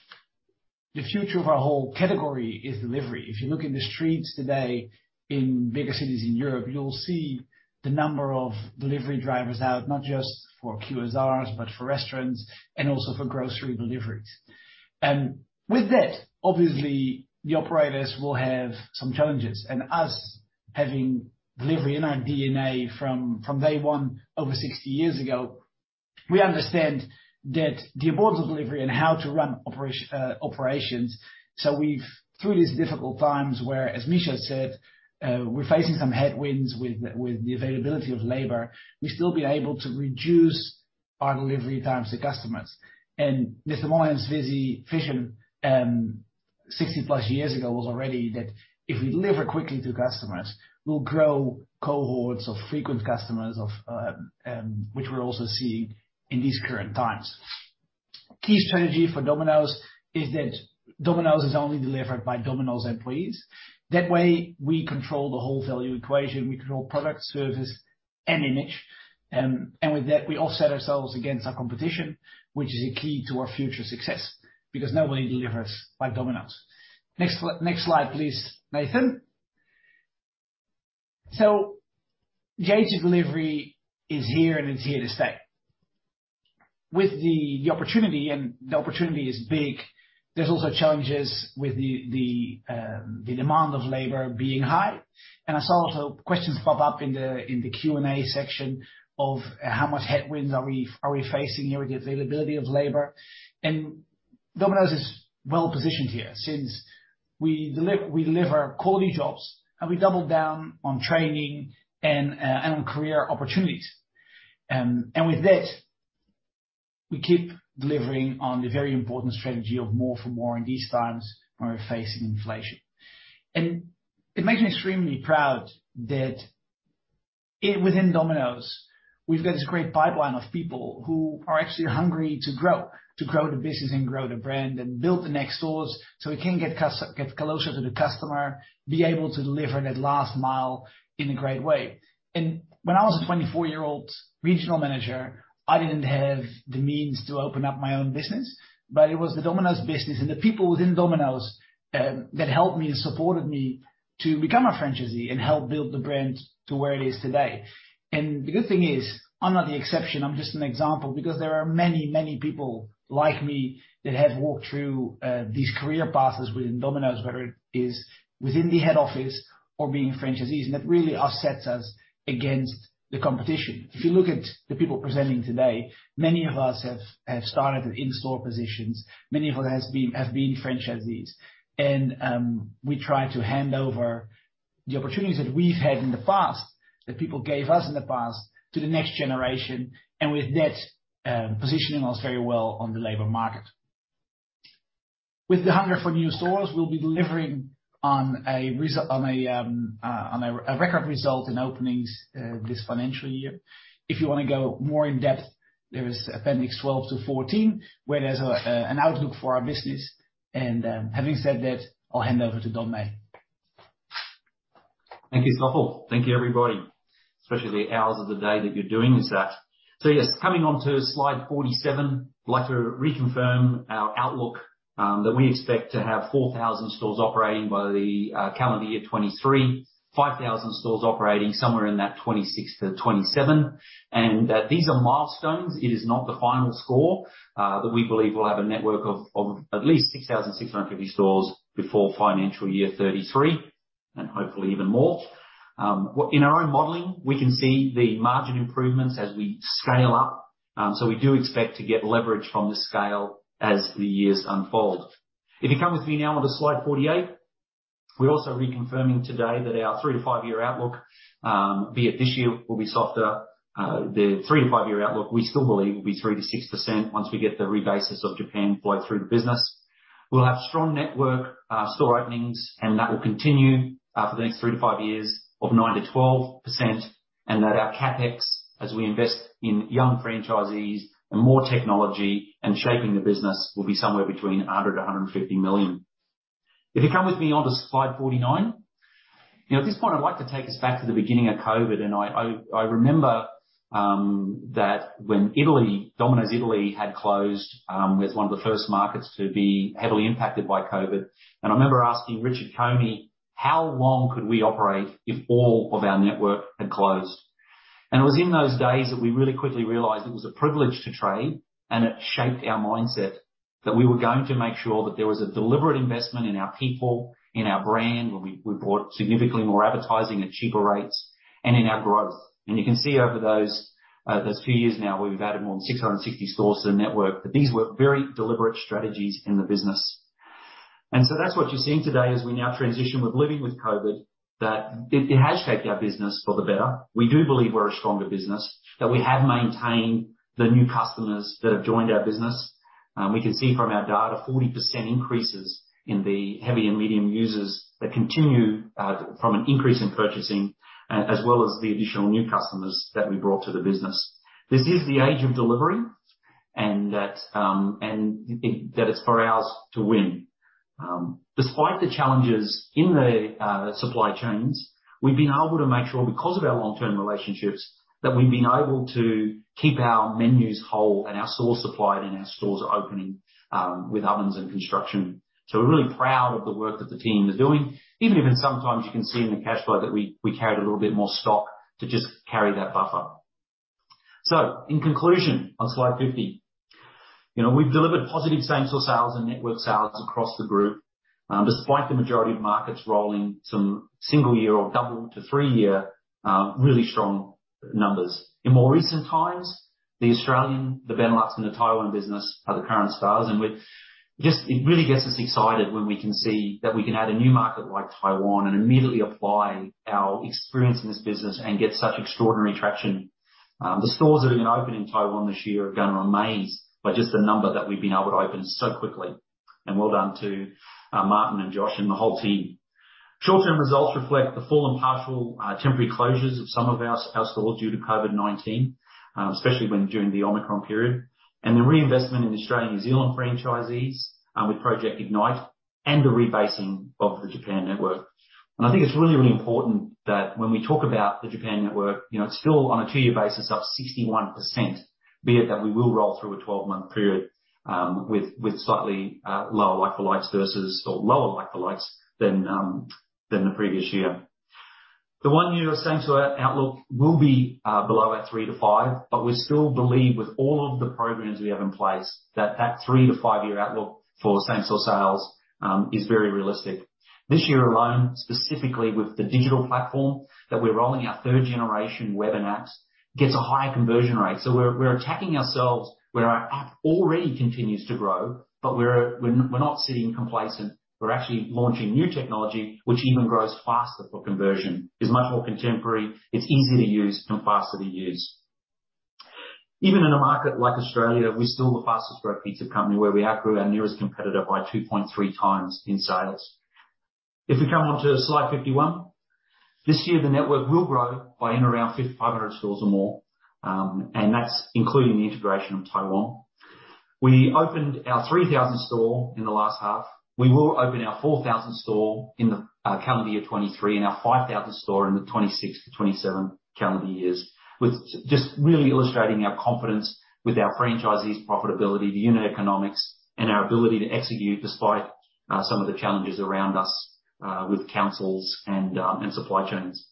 the future of our whole category is delivery. If you look in the streets today in bigger cities in Europe, you'll see the number of delivery drivers out, not just for QSRs, but for restaurants and also for grocery deliveries. And with that, obviously, the operators will have some challenges. And us having delivery in our DNA from day one over 60 years ago, we understand the importance of delivery and how to run operations. So through these difficult times where, as Misja said, we're facing some headwinds with the availability of labor, we've still been able to reduce our delivery times to customers. And Mr. Monaghan's vision 60-plus years ago was already that if we deliver quickly to customers, we'll grow cohorts of frequent customers, which we're also seeing in these current times. Key strategy for Domino's is that Domino's is only delivered by Domino's employees. That way, we control the whole value equation. We control product, service, and image. And with that, we offset ourselves against our competition, which is a key to our future success because nobody delivers like Domino's. Next slide, please, Nathan. So the age of delivery is here, and it's here to stay. With the opportunity, and the opportunity is big, there's also challenges with the demand of labor being high. And I saw also questions pop up in the Q&A section of how much headwinds are we facing here with the availability of labor. And Domino's is well positioned here since we deliver quality jobs, and we doubled down on training and on career opportunities. And with that, we keep delivering on the very important strategy of More for More in these times when we're facing inflation. And it makes me extremely proud that within Domino's, we've got this great pipeline of people who are actually hungry to grow, to grow the business and grow the brand and build the next stores so we can get closer to the customer, be able to deliver that last mile in a great way. When I was a 24-year-old regional manager, I didn't have the means to open up my own business, but it was the Domino's business and the people within Domino's that helped me and supported me to become a franchisee and help build the brand to where it is today. The good thing is I'm not the exception. I'm just an example because there are many, many people like me that have walked through these career paths within Domino's, whether it is within the head office or being a franchisee. That really offsets us against the competition. If you look at the people presenting today, many of us have started in store positions. Many of us have been franchisees. We try to hand over the opportunities that we've had in the past that people gave us in the past to the next generation. With that, positioning us very well on the labor market. With the hunger for new stores, we'll be delivering on a record result in openings this financial year. If you want to go more in depth, there is Appendix 12 to 14 where there's an outlook for our business. Having said that, I'll hand over to Don Meij. Thank you, Stoffel. Thank you, everybody. Especially the hours of the day that you're doing this at. Yes, coming on to slide 47, I'd like to reconfirm our outlook that we expect to have 4,000 stores operating by the calendar year 2023, 5,000 stores operating somewhere in that 2026 to 2027. These are milestones. It is not the final score that we believe we'll have a network of at least 6,650 stores before financial year 2033 and hopefully even more. In our own modeling, we can see the margin improvements as we scale up. So we do expect to get leverage from the scale as the years unfold. If you come with me now on to slide 48, we're also reconfirming today that our three to five-year outlook, albeit this year, will be softer. The three to five-year outlook, we still believe, will be 3%-6% once we get the rebasing of Japan flow through the business. We'll have strong network store openings, and that will continue for the next three to five years of 9%-12%. And that our CapEx, as we invest in young franchisees and more technology and shaping the business, will be somewhere between 100 million to 150 million. If you come with me on to slide 49, at this point, I'd like to take us back to the beginning of COVID. And I remember that when Italy, Domino's Italy, had closed, was one of the first markets to be heavily impacted by COVID. And I remember asking Richard Coney, "How long could we operate if all of our network had closed?" And it was in those days that we really quickly realized it was a privilege to trade, and it shaped our mindset that we were going to make sure that there was a deliberate investment in our people, in our brand, where we bought significantly more advertising at cheaper rates, and in our growth. And you can see over those few years now, we've added more than 660 stores to the network, but these were very deliberate strategies in the business. And so that's what you're seeing today as we now transition with living with COVID, that it has shaped our business for the better. We do believe we're a stronger business, that we have maintained the new customers that have joined our business. We can see from our data 40% increases in the heavy and medium users that continue from an increase in purchasing, as well as the additional new customers that we brought to the business. This is the age of delivery, and that it's for us to win. Despite the challenges in the supply chains, we've been able to make sure, because of our long-term relationships, that we've been able to keep our menus whole and our stores supplied and our stores opening with ovens and construction. So we're really proud of the work that the team is doing, even if sometimes you can see in the cash flow that we carried a little bit more stock to just carry that buffer. So in conclusion, on slide 50, we've delivered positive same-store sales and network sales across the group, despite the majority of markets rolling some single-year or double to three-year really strong numbers. In more recent times, the Australian, the Benelux, and the Taiwan business are the current stars. And it really gets us excited when we can see that we can add a new market like Taiwan and immediately apply our experience in this business and get such extraordinary traction. The stores that are going to open in Taiwan this year are going to amaze by just the number that we've been able to open so quickly. And well done to Martin and Josh and the whole team. Short-term results reflect the full and partial temporary closures of some of our stores due to COVID-19, especially during the Omicron period, and the reinvestment in the Australian and New Zealand franchisees with Project Ignite and the rebasing of the Japan network. And I think it's really, really important that when we talk about the Japan network, it's still on a two-year basis up 61%, albeit that we will roll through a 12-month period with slightly lower likelihoods versus or lower likelihoods than the previous year. The one-year or same-store outlook will be below our 3-5, but we still believe, with all of the programs we have in place, that that 3-5-year outlook for same-store sales is very realistic. This year alone, specifically with the digital platform that we're rolling, our third-generation web and app, gets a higher conversion rate. We're attacking ourselves where our app already continues to grow, but we're not sitting complacent. We're actually launching new technology, which even grows faster for conversion. It's much more contemporary. It's easy to use and faster to use. Even in a market like Australia, we're still the fastest-growing pizza company where we outgrew our nearest competitor by 2.3 times in sales. If we come on to slide 51, this year, the network will grow by around 5,500 stores or more, and that's including the integration of Taiwan. We opened our 3,000th store in the last half. We will open our 4,000 store in the calendar year 2023 and our 5,000 store in the 2026 to 2027 calendar years, with just really illustrating our confidence with our franchisees, profitability, the unit economics, and our ability to execute despite some of the challenges around us with councils and supply chains.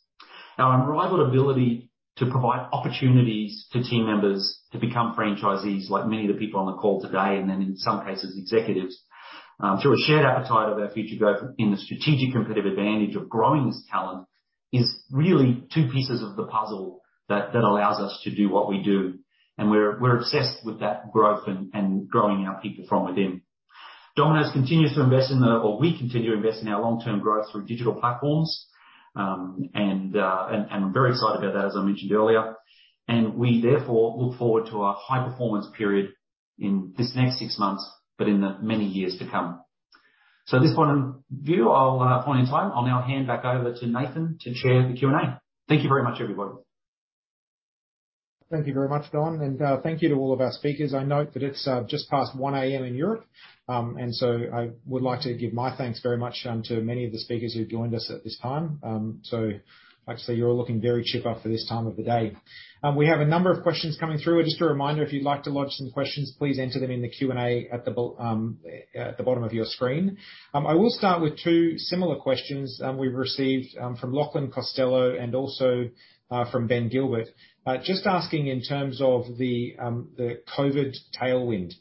Our reliable ability to provide opportunities to team members to become franchisees, like many of the people on the call today, and then in some cases, executives, through a shared appetite of our future growth in the strategic competitive advantage of growing this talent is really two pieces of the puzzle that allows us to do what we do. And we're obsessed with that growth and growing our people from within. Domino's continues to invest in the, or we continue to invest in our long-term growth through digital platforms, and I'm very excited about that, as I mentioned earlier. And we, therefore, look forward to a high-performance period in this next six months, but in the many years to come. So at this point in time, I'll now hand back over to Nathan to chair the Q&A. Thank you very much, everybody. Thank you very much, Don. And thank you to all of our speakers. I note that it's just past 1:00 A.M. in Europe. And so I would like to give my thanks very much to many of the speakers who joined us at this time. So actually, you're all looking very chipper for this time of the day. We have a number of questions coming through. Just a reminder, if you'd like to lodge some questions, please enter them in the Q&A at the bottom of your screen. I will start with two similar questions we've received from Lachlan Costello and also from Ben Gilbert, just asking in terms of the COVID tailwind.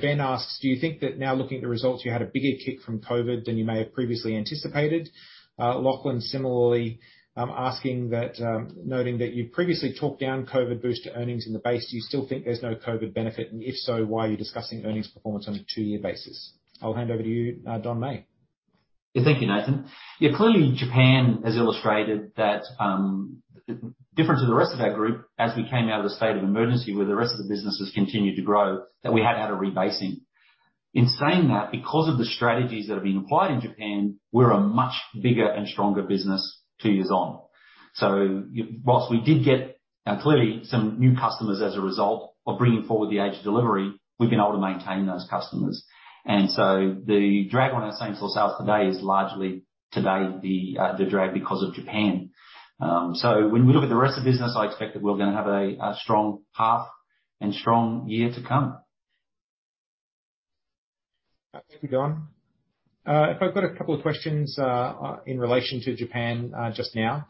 Ben asks, "Do you think that now looking at the results, you had a bigger kick from COVID than you may have previously anticipated?" Lachlan similarly asking that, noting that you previously talked down COVID boost to earnings in the base. Do you still think there's no COVID benefit? And if so, why are you discussing earnings performance on a two-year basis? I'll hand over to you, Don Meij. Yeah, thank you, Nathan. Yeah, clearly, Japan has illustrated that different to the rest of our group, as we came out of the state of emergency where the rest of the business has continued to grow, that we had had a rebasing. In saying that, because of the strategies that have been applied in Japan, we're a much bigger and stronger business two years on, so whilst we did get clearly some new customers as a result of bringing forward the age of delivery, we've been able to maintain those customers, and so the drag on our same-store sales today is largely today the drag because of Japan, so when we look at the rest of the business, I expect that we're going to have a strong path and strong year to come. Thank you, Don. If I've got a couple of questions in relation to Japan just now,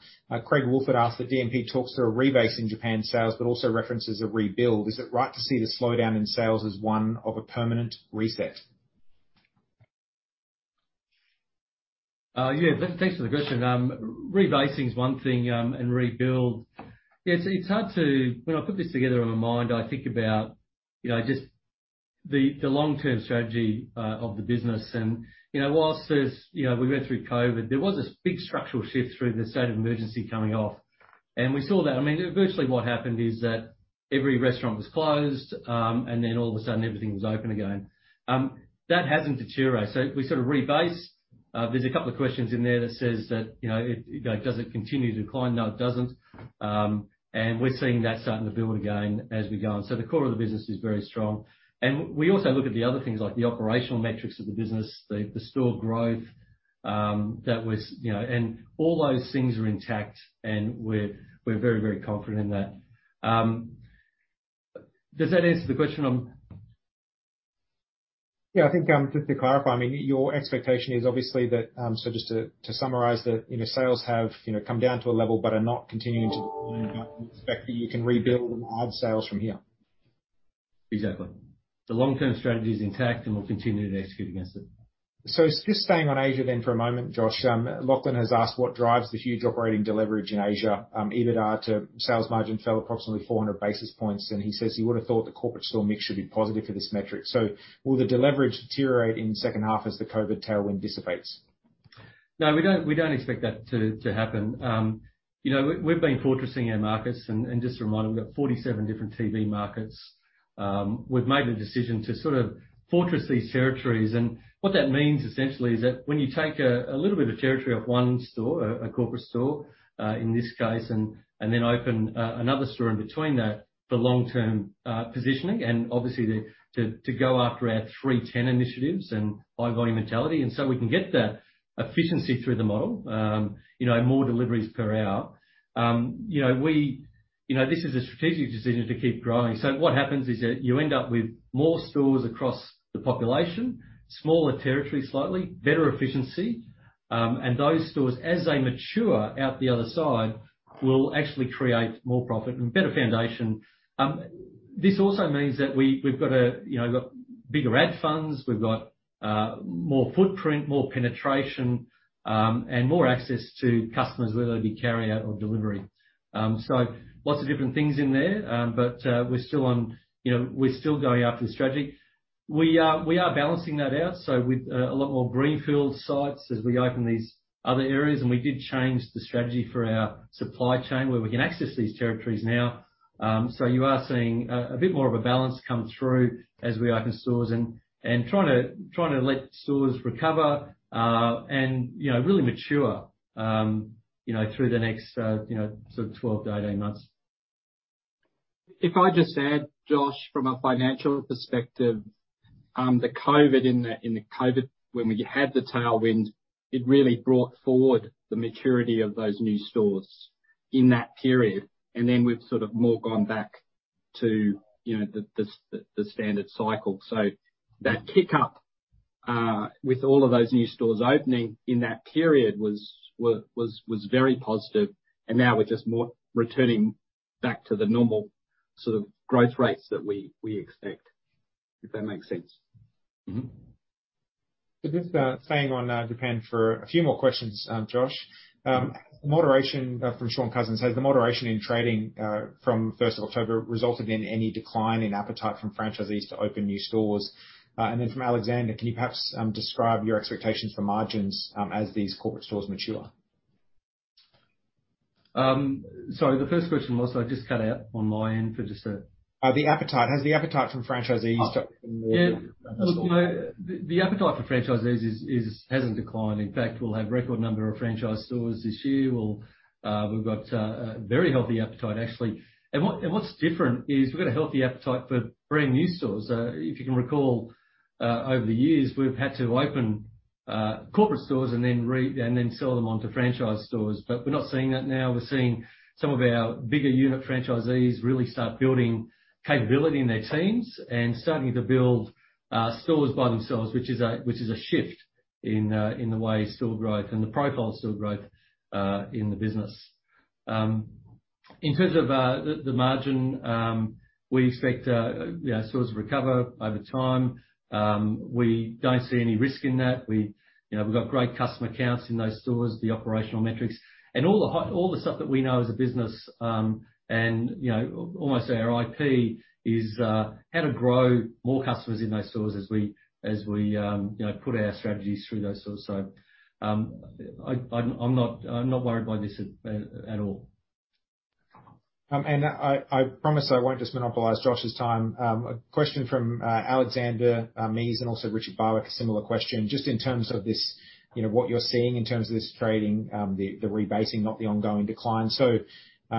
Craig Woolford asked, "The DMP talks to a rebasing Japan sales, but also references a rebuild. Is it right to see the slowdown in sales as one of a permanent reset? Yeah, thanks for the question. Rebasing is one thing, and rebuild. Yeah, it's hard to, when I put this together in my mind, I think about just the long-term strategy of the business. And while we went through COVID, there was this big structural shift through the state of emergency coming off. And we saw that. I mean, virtually what happened is that every restaurant was closed, and then all of a sudden, everything was open again. That hasn't deteriorated. So we sort of rebase. There's a couple of questions in there that says that, "Does it continue to decline?" No, it doesn't. And we're seeing that starting to build again as we go on. So the core of the business is very strong. And we also look at the other things like the operational metrics of the business, the store growth that was, and all those things are intact, and we're very, very confident in that. Does that answer the question? Yeah, I think just to clarify, I mean, your expectation is obviously that, so just to summarize, that sales have come down to a level but are not continuing to decline, but we expect that you can rebuild and add sales from here. Exactly. The long-term strategy is intact, and we'll continue to execute against it. So just staying on Asia then for a moment, Josh, Lachlan has asked, "What drives the huge operating deleverage in Asia?" EBITDA to sales margin fell approximately 400 basis points, and he says he would have thought the corporate store mix should be positive for this metric. So will the deleverage deteriorate in the second half as the COVID tailwind dissipates? No, we don't expect that to happen. We've been fortressing our markets, and just a reminder, we've got 47 different TV markets. We've made a decision to sort of fortress these territories, and what that means, essentially, is that when you take a little bit of territory off one store, a corporate store in this case, and then open another store in between that for long-term positioning, and obviously to go after our 3-10 initiatives and high-volume mentality, and so we can get the efficiency through the model, more deliveries per hour. This is a strategic decision to keep growing, so what happens is that you end up with more stores across the population, smaller territory slightly, better efficiency, and those stores, as they mature out the other side, will actually create more profit and better foundation. This also means that we've got bigger ad funds, we've got more footprint, more penetration, and more access to customers, whether it be carry-out or delivery. So lots of different things in there, but we're still on, we're still going after the strategy. We are balancing that out, so with a lot more greenfield sites as we open these other areas, and we did change the strategy for our supply chain where we can access these territories now. So you are seeing a bit more of a balance come through as we open stores and trying to let stores recover and really mature through the next sort of 12 to 18 months. If I just add, Josh, from a financial perspective, the COVID, when we had the tailwind, it really brought forward the maturity of those new stores in that period. And then we've sort of more gone back to the standard cycle. So that kick-up with all of those new stores opening in that period was very positive, and now we're just returning back to the normal sort of growth rates that we expect, if that makes sense. So just staying on Japan for a few more questions, Josh. Has the moderation from Shaun Cousins said, "Has the moderation in trading from 1st of October resulted in any decline in appetite from franchisees to open new stores?" And then from Alexander, "Can you perhaps describe your expectations for margins as these corporate stores mature? Sorry, the first question was, so I just cut out on my end for just a. Has the appetite from franchisees to open more stores? Yeah. Look, the appetite for franchisees hasn't declined. In fact, we'll have a record number of franchise stores this year. We've got a very healthy appetite, actually. And what's different is we've got a healthy appetite for brand new stores. If you can recall, over the years, we've had to open corporate stores and then sell them onto franchise stores, but we're not seeing that now. We're seeing some of our bigger unit franchisees really start building capability in their teams and starting to build stores by themselves, which is a shift in the way store growth and the profile of store growth in the business. In terms of the margin, we expect stores to recover over time. We don't see any risk in that. We've got great customer counts in those stores, the operational metrics, and all the stuff that we know as a business and almost our IP is how to grow more customers in those stores as we put our strategies through those stores. So I'm not worried by this at all. And I promise I won't just monopolize Josh's time. A question from Alexander Mees and also Richard Barwick, a similar question, just in terms of what you're seeing in terms of this trading, the rebasing, not the ongoing decline, so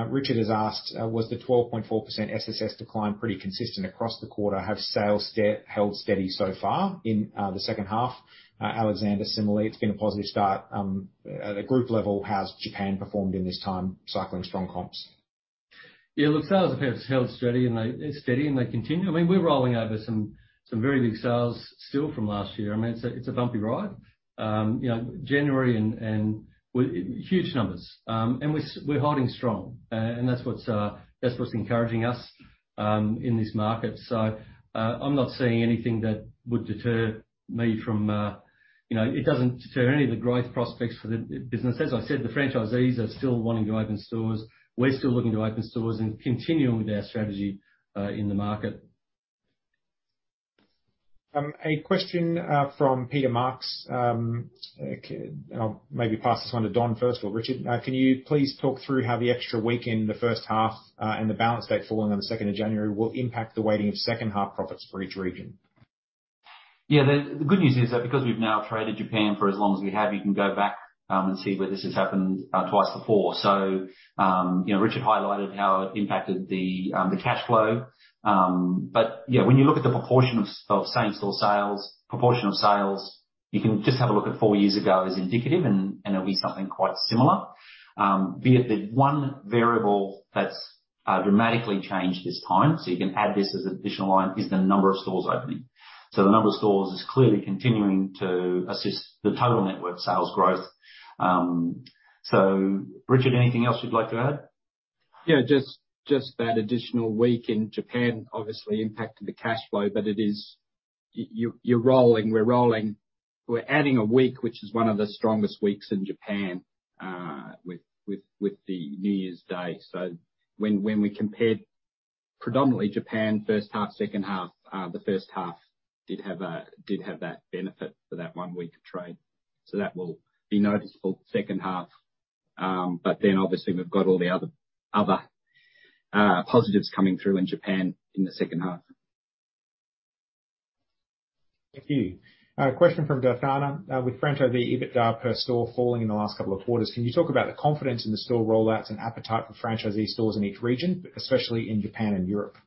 Richard has asked, "Was the 12.4% SSS decline pretty consistent across the quarter? Have sales held steady so far in the second half?" Alexander, similarly, "It's been a positive start. At a group level, how's Japan performed in this time cycling strong comps? Yeah, look, sales have held steady, and they're steady, and they continue. I mean, we're rolling over some very big sales still from last year. I mean, it's a bumpy ride. January and huge numbers, and we're holding strong, and that's what's encouraging us in this market. So I'm not seeing anything that would deter me from it. It doesn't deter any of the growth prospects for the business. As I said, the franchisees are still wanting to open stores. We're still looking to open stores and continue with our strategy in the market. A question from Peter Marks. I'll maybe pass this one to Don first or Richard. "Can you please talk through how the extra week in the first half and the balance date falling on the 2nd of January will impact the weighting of second-half profits for each region? Yeah, the good news is that because we've now traded Japan for as long as we have, you can go back and see where this has happened twice before. So Richard highlighted how it impacted the cash flow. But yeah, when you look at the proportion of same-store sales, proportion of sales, you can just have a look at four years ago as indicative, and it'll be something quite similar. The one variable that's dramatically changed this time, so you can add this as an additional line, is the number of stores opening. So the number of stores is clearly continuing to assist the total network sales growth. So Richard, anything else you'd like to add? Yeah, just that additional week in Japan obviously impacted the cash flow, but it is year rolling, we're rolling. We're adding a week, which is one of the strongest weeks in Japan with the New Year's Day. When we compared predominantly Japan, first half, second half, the first half did have that benefit for that one week of trade. That will be noticeable second half. Then obviously, we've got all the other positives coming through in Japan in the second half. Thank you. Question from Thapana. "With franchisee EBITDA per store falling in the last couple of quarters, can you talk about the confidence in the store rollouts and appetite for franchisee stores in each region, especially in Japan and Europe?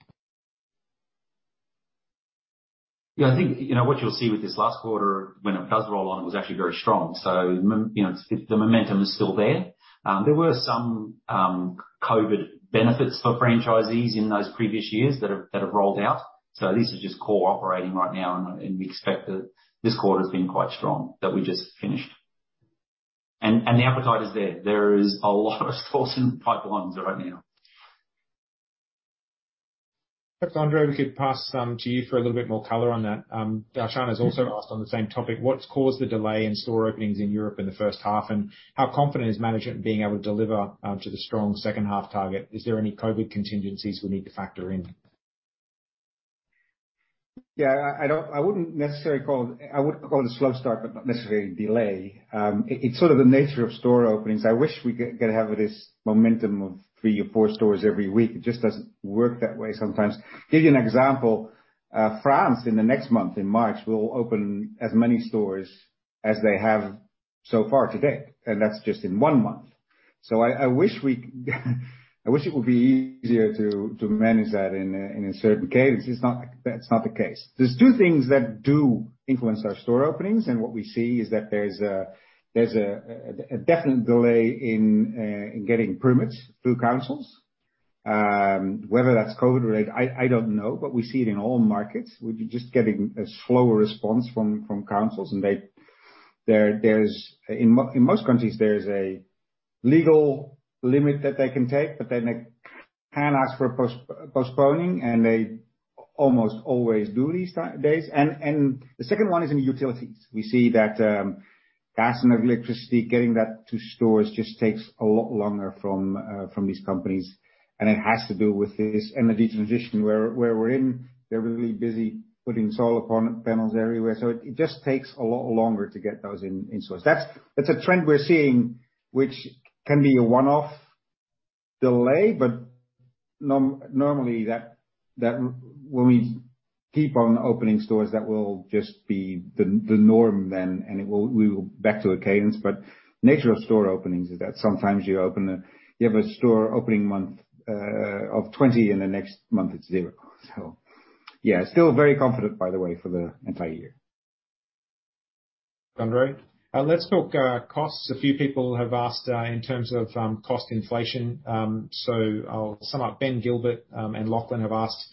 Yeah, I think what you'll see with this last quarter, when it does roll on, it was actually very strong, so the momentum is still there. There were some COVID benefits for franchisees in those previous years that have rolled out, so this is just core operating right now, and we expect that this quarter has been quite strong that we just finished, and the appetite is there. There is a lot of stores in pipelines right now. Thanks, Andrew. We could pass to you for a little bit more color on that. Daphne has also asked on the same topic, "What's caused the delay in store openings in Europe in the first half? And how confident is management being able to deliver to the strong second-half target? Is there any COVID contingencies we need to factor in? Yeah, I wouldn't necessarily call it. I would call it a slow start, but not necessarily a delay. It's sort of the nature of store openings. I wish we could have this momentum of three or four stores every week. It just doesn't work that way sometimes. Give you an example, France in the next month, in March, will open as many stores as they have so far to date, and that's just in one month. So I wish it would be easier to manage that in a certain cadence. It's not the case. There's two things that do influence our store openings, and what we see is that there's a definite delay in getting permits through councils. Whether that's COVID-related, I don't know, but we see it in all markets. We're just getting a slower response from councils, and in most countries, there's a legal limit that they can take, but then they can ask for postponing, and they almost always do these days, and the second one is in utilities. We see that gas and electricity getting that to stores just takes a lot longer from these companies, and it has to do with this energy transition where we're in. They're really busy putting solar panels everywhere, so it just takes a lot longer to get those in stores. That's a trend we're seeing, which can be a one-off delay, but normally, when we keep on opening stores, that will just be the norm then, and we will back to a cadence, but the nature of store openings is that sometimes you have a store opening month of 20, and the next month, it's zero. So yeah, still very confident, by the way, for the entire year. Andrew. Let's talk costs. A few people have asked in terms of cost inflation. So I'll sum up. Ben Gilbert and Lachlan have asked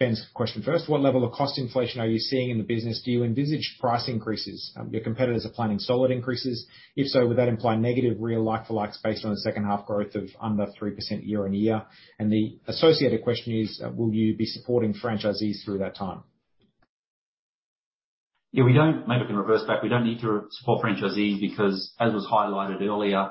Ben's question first. "What level of cost inflation are you seeing in the business? Do you envisage price increases? Your competitors are planning solid increases. If so, would that imply negative real like-for-likes based on the second-half growth of under 3% year on year?" And the associated question is, "Will you be supporting franchisees through that time? Yeah, we don't. Maybe I can reverse back. We don't need to support franchisees because, as was highlighted earlier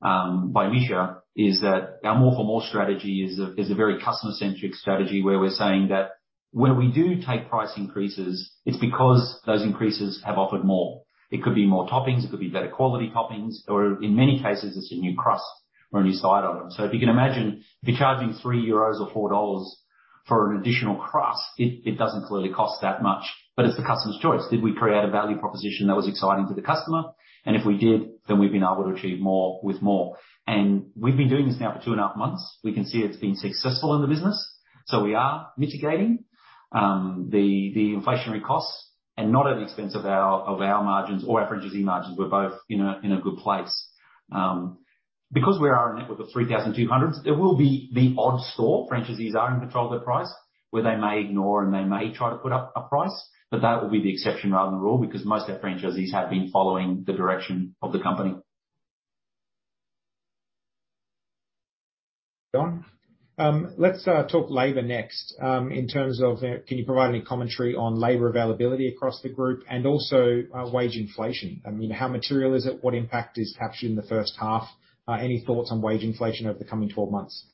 by Misja, is that our more for more strategy is a very customer-centric strategy where we're saying that where we do take price increases, it's because those increases have offered more. It could be more toppings. It could be better quality toppings. Or in many cases, it's a new crust or a new side item. So if you can imagine, if you're charging 3 euros or 4 dollars for an additional crust, it doesn't clearly cost that much, but it's the customer's choice. Did we create a value proposition that was exciting to the customer? And if we did, then we've been able to achieve more with more. And we've been doing this now for two and a half months. We can see it's been successful in the business. So we are mitigating the inflationary costs and not at the expense of our margins or our franchisee margins. We're both in a good place. Because we are a network of 3,200, there will be the odd store franchisees are in control of their price where they may ignore and they may try to put up a price, but that will be the exception rather than the rule because most of our franchisees have been following the direction of the company. Don? Let's talk labor next. In terms of, can you provide any commentary on labor availability across the group and also wage inflation? I mean, how material is it? What impact is captured in the first half? Any thoughts on wage inflation over the coming 12 months?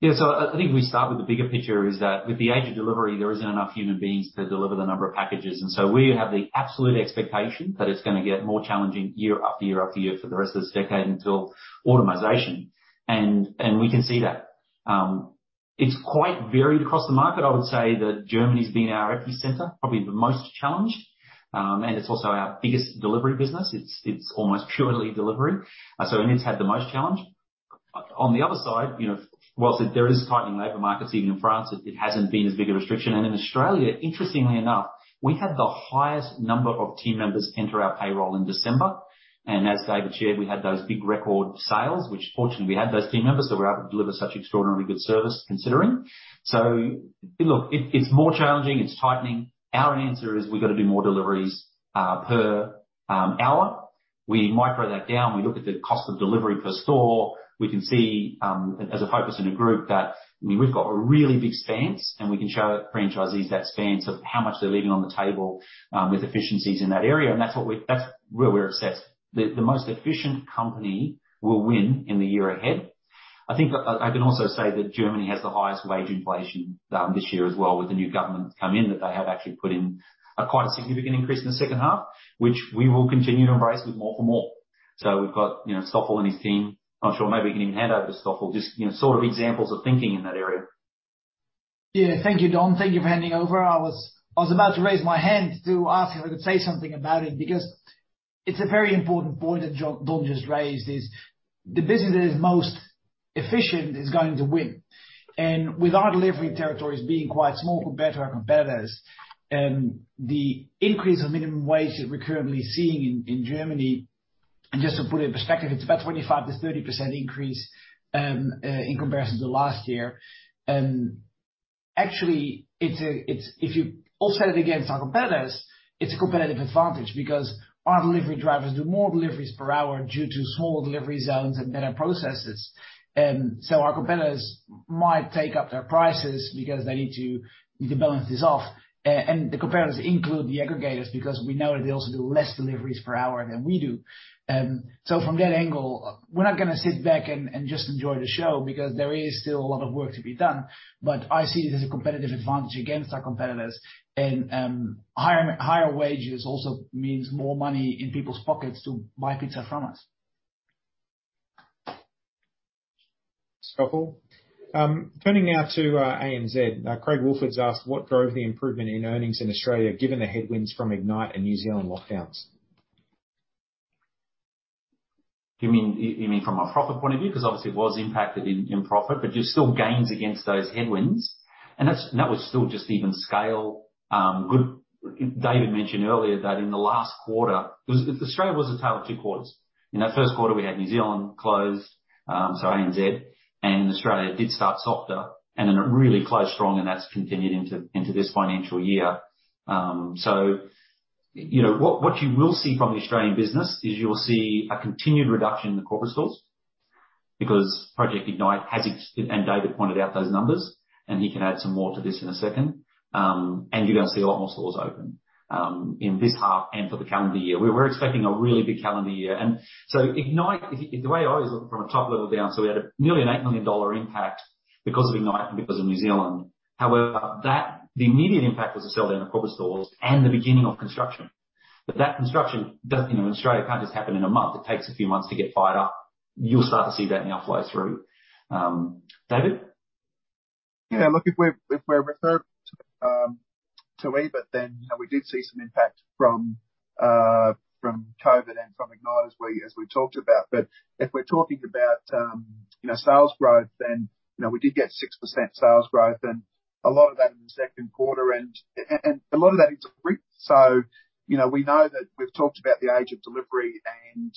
Yeah, so I think we start with the bigger picture: that with the age of delivery, there isn't enough human beings to deliver the number of packages. And so we have the absolute expectation that it's going to get more challenging year after year after year for the rest of this decade until automation. And we can see that. It's quite varied across the market. I would say that Germany's been our epicenter, probably the most challenged, and it's also our biggest delivery business. It's almost purely delivery. So it's had the most challenge. On the other side, while there is tightening labor markets, even in France, it hasn't been as big a restriction. And in Australia, interestingly enough, we had the highest number of team members enter our payroll in December. As David shared, we had those big record sales, which fortunately we had those team members that were able to deliver such extraordinarily good service considering. Look, it's more challenging. It's tightening. Our answer is we've got to do more deliveries per hour. We micro that down. We look at the cost of delivery per store. We can see as a focus in a group that we've got a really big spans, and we can show franchisees that spans of how much they're leaving on the table with efficiencies in that area. That's where we're obsessed. The most efficient company will win in the year ahead. I think I can also say that Germany has the highest wage inflation this year as well, with the new government come in, that they have actually put in quite a significant increase in the second half, which we will continue to embrace with more for more, so we've got Stoffel and his team. I'm sure maybe we can even hand over to Stoffel. Just sort of examples of thinking in that area. Yeah, thank you, Don. Thank you for handing over. I was about to raise my hand to ask if I could say something about it because it's a very important point that Don just raised: the business that is most efficient is going to win. With our delivery territories being quite small compared to our competitors, the increase of minimum wage that we're currently seeing in Germany, and just to put it in perspective, it's about a 25%-30% increase in comparison to last year. Actually, if you offset it against our competitors, it's a competitive advantage because our delivery drivers do more deliveries per hour due to smaller delivery zones and better processes. Our competitors might take up their prices because they need to balance this off. And the competitors include the aggregators because we know that they also do less deliveries per hour than we do. So from that angle, we're not going to sit back and just enjoy the show because there is still a lot of work to be done. But I see it as a competitive advantage against our competitors. And higher wages also means more money in people's pockets to buy pizza from us. Stoffel? Turning now to ANZ, Craig Woolford asked, "What drove the improvement in earnings in Australia given the headwinds from Ignite and New Zealand lockdowns? You mean from a profit point of view? Because obviously, it was impacted in profit, but you're still gains against those headwinds. And that was still just even scale. David mentioned earlier that in the last quarter, Australia was a tale of two quarters. In that first quarter, we had New Zealand closed, so ANZ, and Australia did start softer, and then it really closed strong, and that's continued into this financial year. So what you will see from the Australian business is you'll see a continued reduction in the corporate stores because Project Ignite has it, and David pointed out those numbers, and he can add some more to this in a second. And you're going to see a lot more stores open in this half and for the calendar year. We're expecting a really big calendar year. And so Ignite, the way I always look from a top level down, so we had nearly an 8 million dollar impact because of Ignite and because of New Zealand. However, the immediate impact was to sell down the corporate stores and the beginning of construction. But that construction in Australia can't just happen in a month. It takes a few months to get fired up. You'll start to see that now flow through. David? Yeah, look, if we're referring to EBIT, then we did see some impact from COVID and from Ignite as we talked about. But if we're talking about sales growth, then we did get 6% sales growth, and a lot of that in the second quarter, and a lot of that is brick. So we know that we've talked about the age of delivery and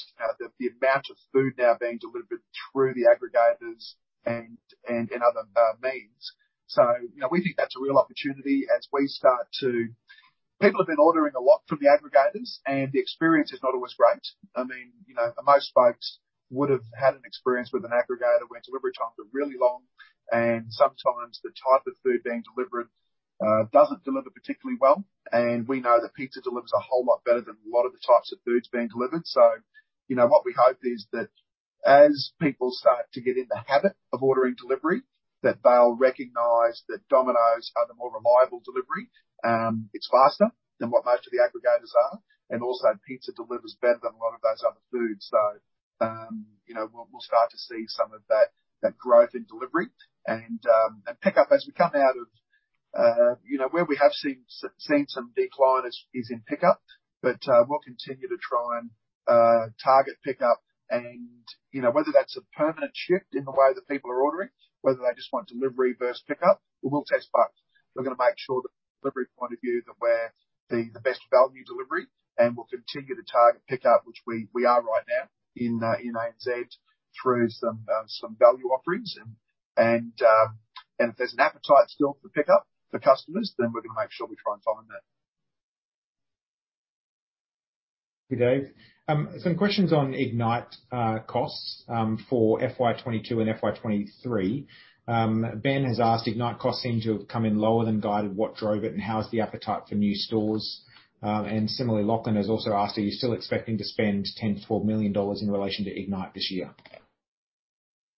the amount of food now being delivered through the aggregators and other means. So we think that's a real opportunity as we start to, people have been ordering a lot from the aggregators, and the experience is not always great. I mean, most folks would have had an experience with an aggregator where delivery times are really long, and sometimes the type of food being delivered doesn't deliver particularly well. We know that pizza delivers a whole lot better than a lot of the types of foods being delivered. So what we hope is that as people start to get in the habit of ordering delivery, that they'll recognize that Domino's are the more reliable delivery. It's faster than what most of the aggregators are, and also pizza delivers better than a lot of those other foods. So we'll start to see some of that growth in delivery. And pickup, as we come out of where we have seen some decline, is in pickup, but we'll continue to try and target pickup. And whether that's a permanent shift in the way that people are ordering, whether they just want delivery versus pickup, we'll test both. We're going to make sure that from a delivery point of view, that we're the best value delivery, and we'll continue to target pickup, which we are right now in ANZ through some value offerings. If there's an appetite still for pickup for customers, then we're going to make sure we try and find that. Okay, Dave. Some questions on Ignite costs for FY22 and FY23. Ben has asked, "Ignite costs seem to have come in lower than guided. What drove it, and how's the appetite for new stores?" And similarly, Lachlan has also asked, "Are you still expecting to spend 10-12 million dollars in relation to Ignite this year?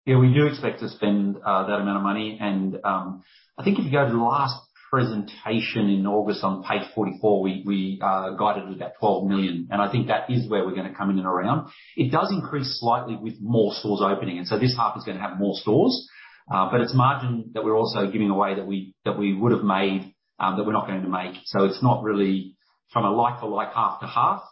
Yeah, we do expect to spend that amount of money. And I think if you go to the last presentation in August on page 44, we guided it at 12 million. And I think that is where we're going to come in and around. It does increase slightly with more stores opening. And so this half is going to have more stores, but it's margin that we're also giving away that we would have made that we're not going to make. So it's not really from a like-for-like half to half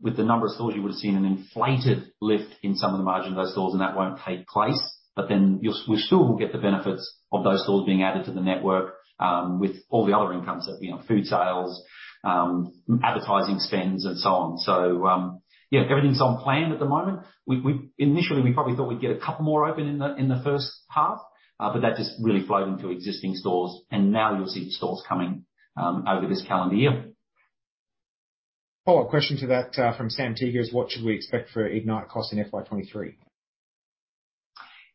with the number of stores you would have seen an inflated lift in some of the margin of those stores, and that won't take place. But then we still will get the benefits of those stores being added to the network with all the other incomes of food sales, advertising spends, and so on. So yeah, everything's on plan at the moment. Initially, we probably thought we'd get a couple more open in the first half, but that just really flowed into existing stores. And now you'll see stores coming over this calendar year. Follow-up question to that from Sam Teeger is, "What should we expect for Ignite costs in FY23?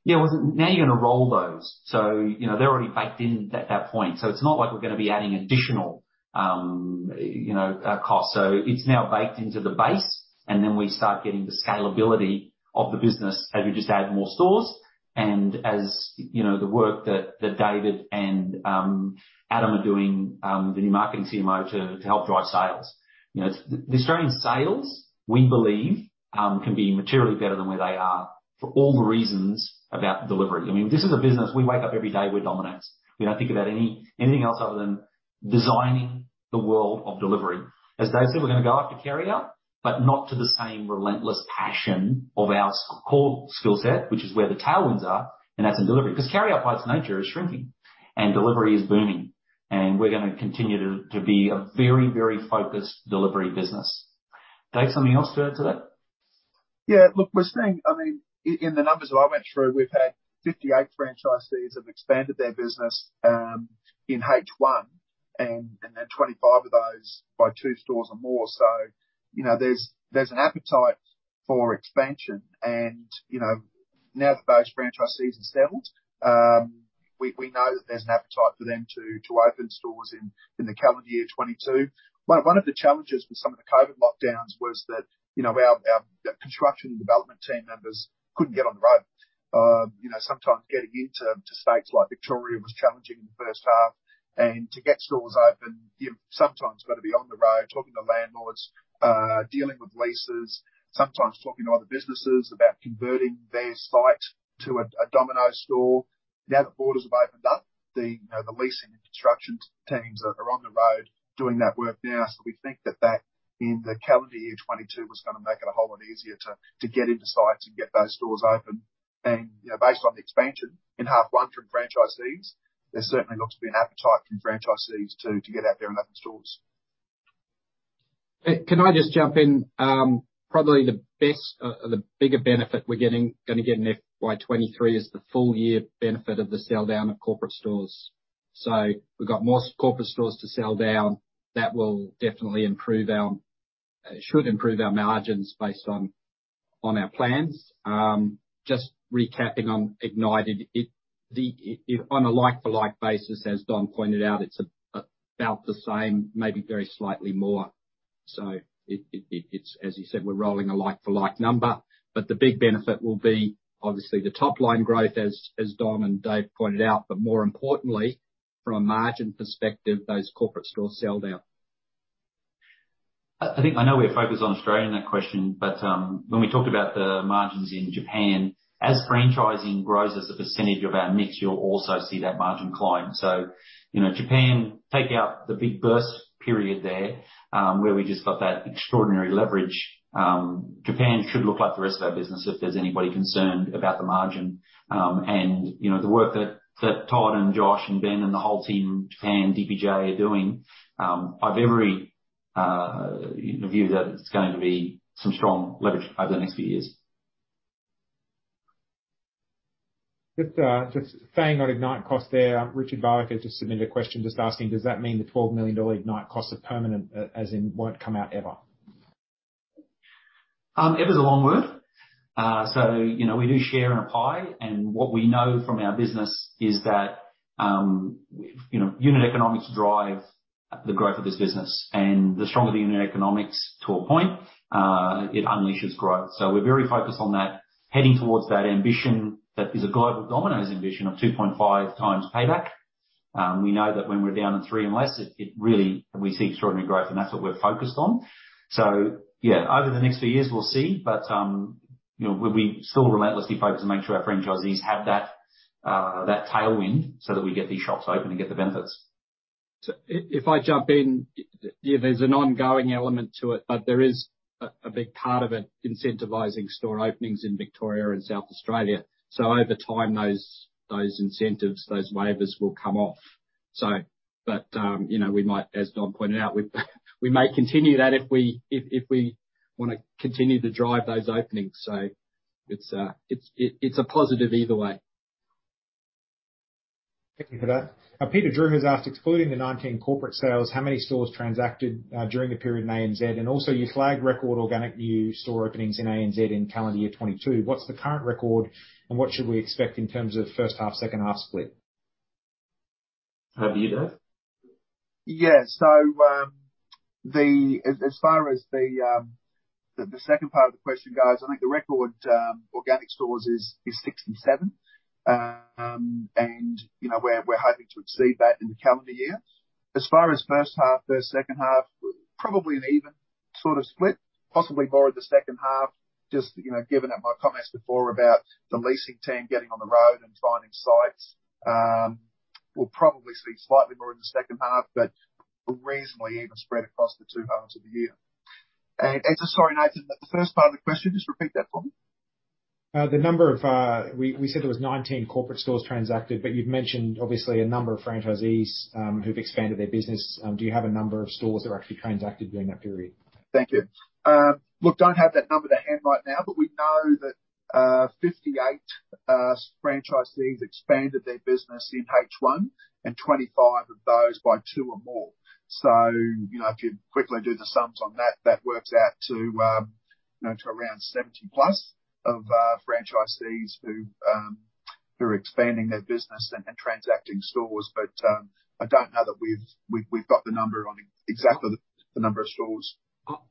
Yeah, now you're going to roll those. So they're already baked in at that point. So it's not like we're going to be adding additional costs. So it's now baked into the base, and then we start getting the scalability of the business as we just add more stores and as the work that David and Adam are doing, the new marketing CMO, to help drive sales. The Australian sales, we believe, can be materially better than where they are for all the reasons about delivery. I mean, this is a business we wake up every day. We're dominant. We don't think about anything else other than designing the world of delivery. As Dave said, we're going to go after carry-out, but not to the same relentless passion of our core skill set, which is where the tailwinds are, and that's in delivery. Because carry-out by its nature is shrinking, and delivery is booming. And we're going to continue to be a very, very focused delivery business. Dave, something else to add to that? Yeah, look, we're seeing, I mean, in the numbers that I went through, we've had 58 franchisees have expanded their business in H1, and then 25 of those by two stores or more. So there's an appetite for expansion. And now that those franchisees have settled, we know that there's an appetite for them to open stores in the calendar year 2022. One of the challenges with some of the COVID lockdowns was that our construction and development team members couldn't get on the road. Sometimes getting into states like Victoria was challenging in the first half. And to get stores open, you've sometimes got to be on the road talking to landlords, dealing with leases, sometimes talking to other businesses about converting their site to a Domino's store. Now that borders have opened up, the leasing and construction teams are on the road doing that work now. So we think that that in the calendar year 2022 was going to make it a whole lot easier to get into sites and get those stores open. And based on the expansion in half one from franchisees, there certainly looks to be an appetite from franchisees to get out there and open stores. Can I just jump in? Probably the bigger benefit we're going to get in FY23 is the full year benefit of the sell down of corporate stores. So we've got more corporate stores to sell down. That will definitely improve our. It should improve our margins based on our plans. Just recapping on Ignite, on a like-for-like basis, as Don pointed out, it's about the same, maybe very slightly more. So it's, as you said, we're rolling a like-for-like number. But the big benefit will be obviously the top line growth, as Don and Dave pointed out, but more importantly, from a margin perspective, those corporate stores sell down. I think I know we're focused on Australia in that question, but when we talked about the margins in Japan, as franchising grows as a percentage of our mix, you'll also see that margin climb. So Japan, take out the big burst period there where we just got that extraordinary leverage. Japan should look like the rest of our business if there's anybody concerned about the margin, and the work that Todd and Josh and Ben and the whole team, Japan, DPJ are doing. I've every view that it's going to be some strong leverage over the next few years. Just staying on Ignite costs there, Richard Barwick has just submitted a question just asking, "Does that mean the AUD 12 million Ignite costs are permanent as in won't come out ever? Ever is a long word, so we do share and apply, and what we know from our business is that unit economics drive the growth of this business. And the stronger the unit economics to a point, it unleashes growth, so we're very focused on that, heading towards that ambition that is a global Domino's ambition of 2.5 times payback. We know that when we're down to three and less, it really, we see extraordinary growth, and that's what we're focused on, so yeah, over the next few years, we'll see. But we still relentlessly focus on making sure our franchisees have that tailwind so that we get these shops open and get the benefits. So if I jump in, there's an ongoing element to it, but there is a big part of it incentivizing store openings in Victoria and South Australia. So over time, those incentives, those waivers will come off. But we might, as Don pointed out, we may continue that if we want to continue to drive those openings. So it's a positive either way. Thank you for that. Peter Drew has asked, "Excluding the 19 corporate sales, how many stores transacted during the period in ANZ? And also, you flagged record organic new store openings in ANZ in calendar year 2022. What's the current record, and what should we expect in terms of first half, second half split? How about you, Dave? Yeah. So as far as the second part of the question goes, I think the record organic stores is 67. And we're hoping to exceed that in the calendar year. As far as first half, second half, probably an even sort of split, possibly more in the second half, just given my comments before about the leasing team getting on the road and finding sites. We'll probably see slightly more in the second half, but reasonably even spread across the two halves of the year. And sorry, Nathan, the first part of the question, just repeat that for me. The number of—we said there was 19 corporate stores transacted, but you've mentioned obviously a number of franchisees who've expanded their business. Do you have a number of stores that were actually transacted during that period? Thank you. Look, don't have that number to hand right now, but we know that 58 franchisees expanded their business in H1 and 25 of those by two or more. So if you quickly do the sums on that, that works out to around 70 plus of franchisees who are expanding their business and transacting stores. But I don't know that we've got the number on exactly the number of stores.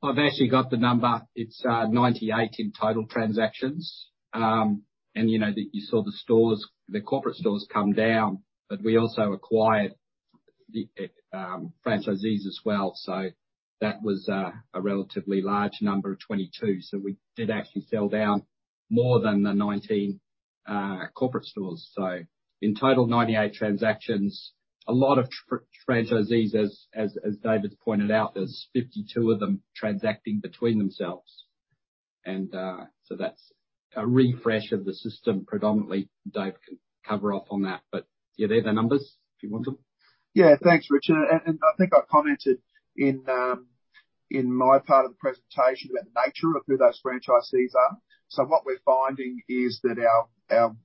I've actually got the number. It's 98 in total transactions, and you saw the stores, the corporate stores come down, but we also acquired the franchisees as well, so that was a relatively large number of 22. We did actually sell down more than the 19 corporate stores, so in total, 98 transactions. A lot of franchisees, as David's pointed out, there's 52 of them transacting between themselves, and so that's a refresh of the system. Predominantly, Dave can cover off on that, but yeah, they're the numbers if you want them. Yeah, thanks, Richard. I think I commented in my part of the presentation about the nature of who those franchisees are. So what we're finding is that our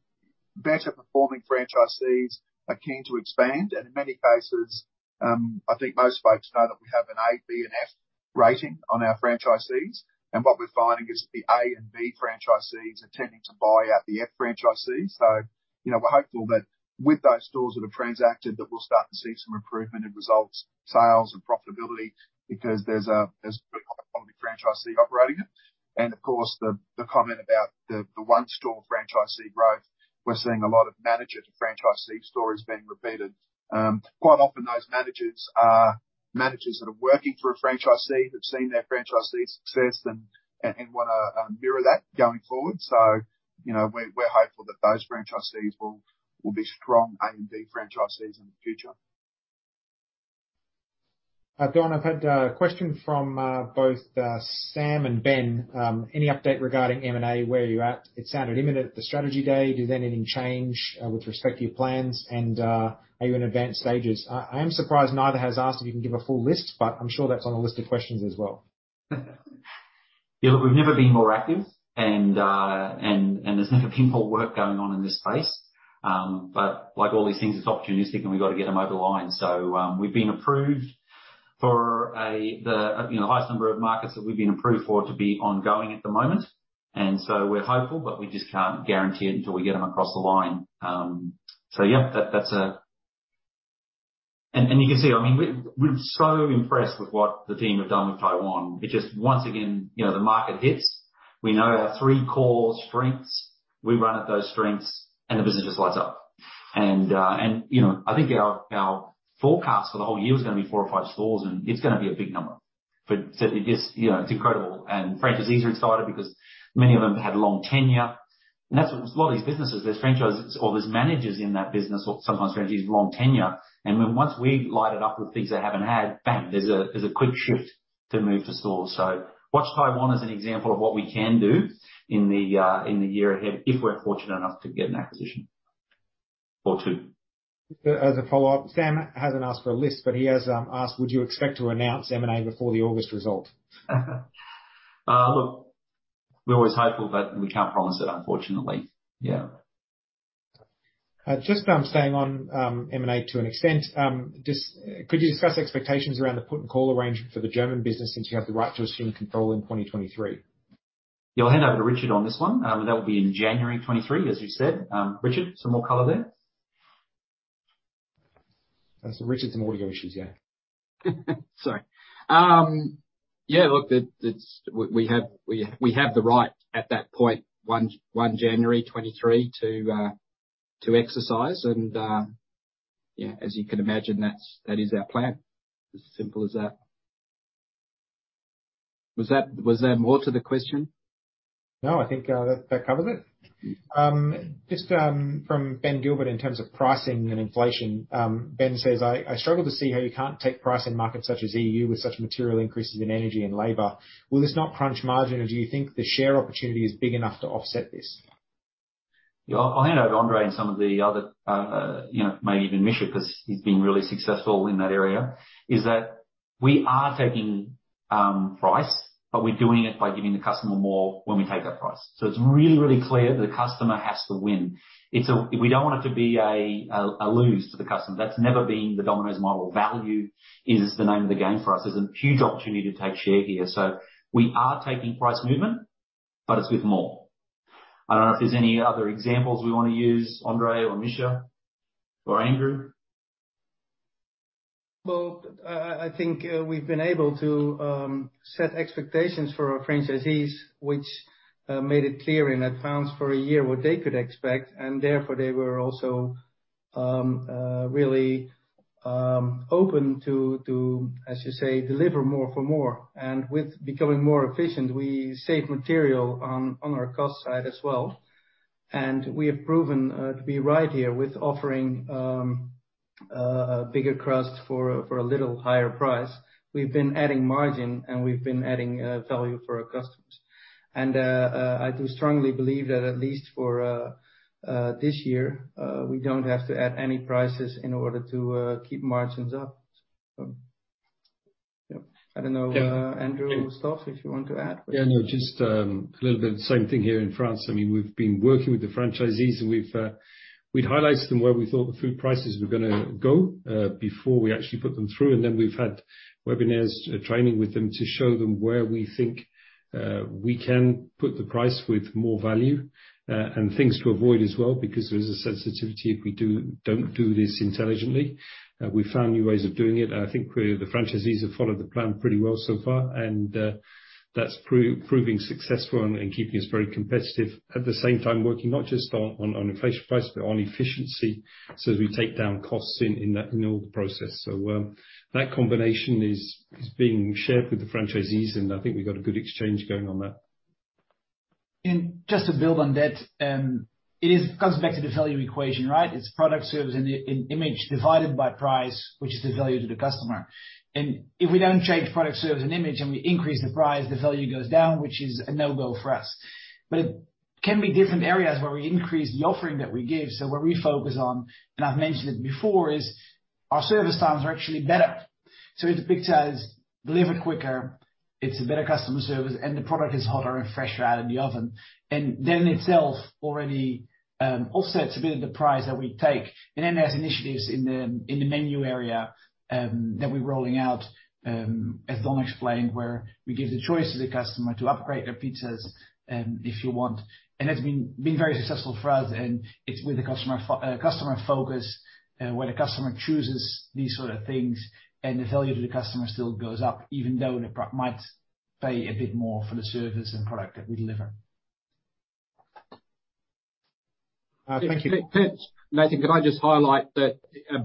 better-performing franchisees are keen to expand. In many cases, I think most folks know that we have an A, B, and F rating on our franchisees. What we're finding is the A and B franchisees are tending to buy out the F franchisees. So we're hopeful that with those stores that have transacted, that we'll start to see some improvement in results, sales, and profitability because there's a pretty high-quality franchisee operating it. Of course, the comment about the one-store franchisee growth. We're seeing a lot of manager-to-franchisee stories being repeated. Quite often, those managers are managers that are working for a franchisee who've seen their franchisee's success and want to mirror that going forward. So we're hopeful that those franchisees will be strong A and B franchisees in the future. Don, I've had a question from both Sam and Ben. Any update regarding M&A? Where are you at? It sounded imminent. The strategy day? Does anything change with respect to your plans? And are you in advanced stages? I am surprised neither has asked if you can give a full list, but I'm sure that's on the list of questions as well. Yeah, look, we've never been more active, and there's never been more work going on in this space. But like all these things, it's opportunistic, and we've got to get them over the line. So we've been approved for the highest number of markets that we've been approved for to be ongoing at the moment. And so we're hopeful, but we just can't guarantee it until we get them across the line. So yeah, that's a, and you can see, I mean, we're so impressed with what the team have done with Taiwan. It just, once again, the market hits. We know our three core strengths. We run at those strengths, and the business just lights up. And I think our forecast for the whole year is going to be four or five stores, and it's going to be a big number. But it's incredible. Franchisees are excited because many of them had long tenure. That's what a lot of these businesses. There's franchisees or there's managers in that business, or sometimes franchisees with long tenure. Once we light it up with things they haven't had, bang, there's a quick shift to move to stores. Watch Taiwan as an example of what we can do in the year ahead if we're fortunate enough to get an acquisition or two. As a follow-up, Sam hasn't asked for a list, but he has asked, "Would you expect to announce M&A before the August result? Look, we're always hopeful, but we can't promise it, unfortunately. Yeah. Just staying on M&A to an extent, could you discuss expectations around the put-call option for the German business since you have the right to assume control in 2023? Yeah, I'll hand over to Richard on this one. That will be in January 2023, as you said. Richard, some more color there? Richard's in audio issues, yeah. Sorry. Yeah, look, we have the right at that point, January 2023, to exercise. And yeah, as you can imagine, that is our plan. As simple as that. Was there more to the question? No, I think that covers it. Just from Ben Gilbert in terms of pricing and inflation, Ben says, "I struggle to see how you can't take price in markets such as EU with such material increases in energy and labor. Will this not crunch margin, or do you think the share opportunity is big enough to offset this? Yeah, I'll hand over to Andre and some of the other, maybe even Misja, because he's been really successful in that area, is that we are taking price, but we're doing it by giving the customer more when we take that price. So it's really, really clear that the customer has to win. We don't want it to be a loss to the customer. That's never been the Domino's model. Value is the name of the game for us. There's a huge opportunity to take share here. So we are taking price movement, but it's with more. I don't know if there's any other examples we want to use, Andre or Misja or Andrew? Well, I think we've been able to set expectations for our franchisees, which made it clear in advance for a year what they could expect. And therefore, they were also really open to, as you say, deliver more for more. And with becoming more efficient, we save material on our cost side as well. And we have proven to be right here with offering a bigger crust for a little higher price. We've been adding margin, and we've been adding value for our customers. And I do strongly believe that at least for this year, we don't have to add any prices in order to keep margins up. I don't know, Andrew, Stoffel, if you want to add? Yeah, no, just a little bit of the same thing here in France. I mean, we've been working with the franchisees, and we've highlighted them where we thought the food prices were going to go before we actually put them through, and then we've had webinars training with them to show them where we think we can put the price with more value and things to avoid as well because there's a sensitivity if we don't do this intelligently. We found new ways of doing it. I think the franchisees have followed the plan pretty well so far, and that's proving successful and keeping us very competitive at the same time, working not just on inflation price, but on efficiency as we take down costs in all the process, so that combination is being shared with the franchisees, and I think we've got a good exchange going on that. Just to build on that, it comes back to the value equation, right? It's product, service, and image divided by price, which is the value to the customer. If we don't change product, service, and image, and we increase the price, the value goes down, which is a no-go for us. It can be different areas where we increase the offering that we give. Where we focus on, and I've mentioned it before, is our service times are actually better. So it depicts as delivered quicker, it's a better customer service, and the product is hotter and fresher out of the oven. Then itself already offsets a bit of the price that we take. Then there's initiatives in the menu area that we're rolling out, as Don explained, where we give the choice to the customer to upgrade their pizzas if you want. It's been very successful for us. It's with the customer focus where the customer chooses these sort of things, and the value to the customer still goes up, even though they might pay a bit more for the service and product that we deliver. Thank you. Nathan, could I just highlight that a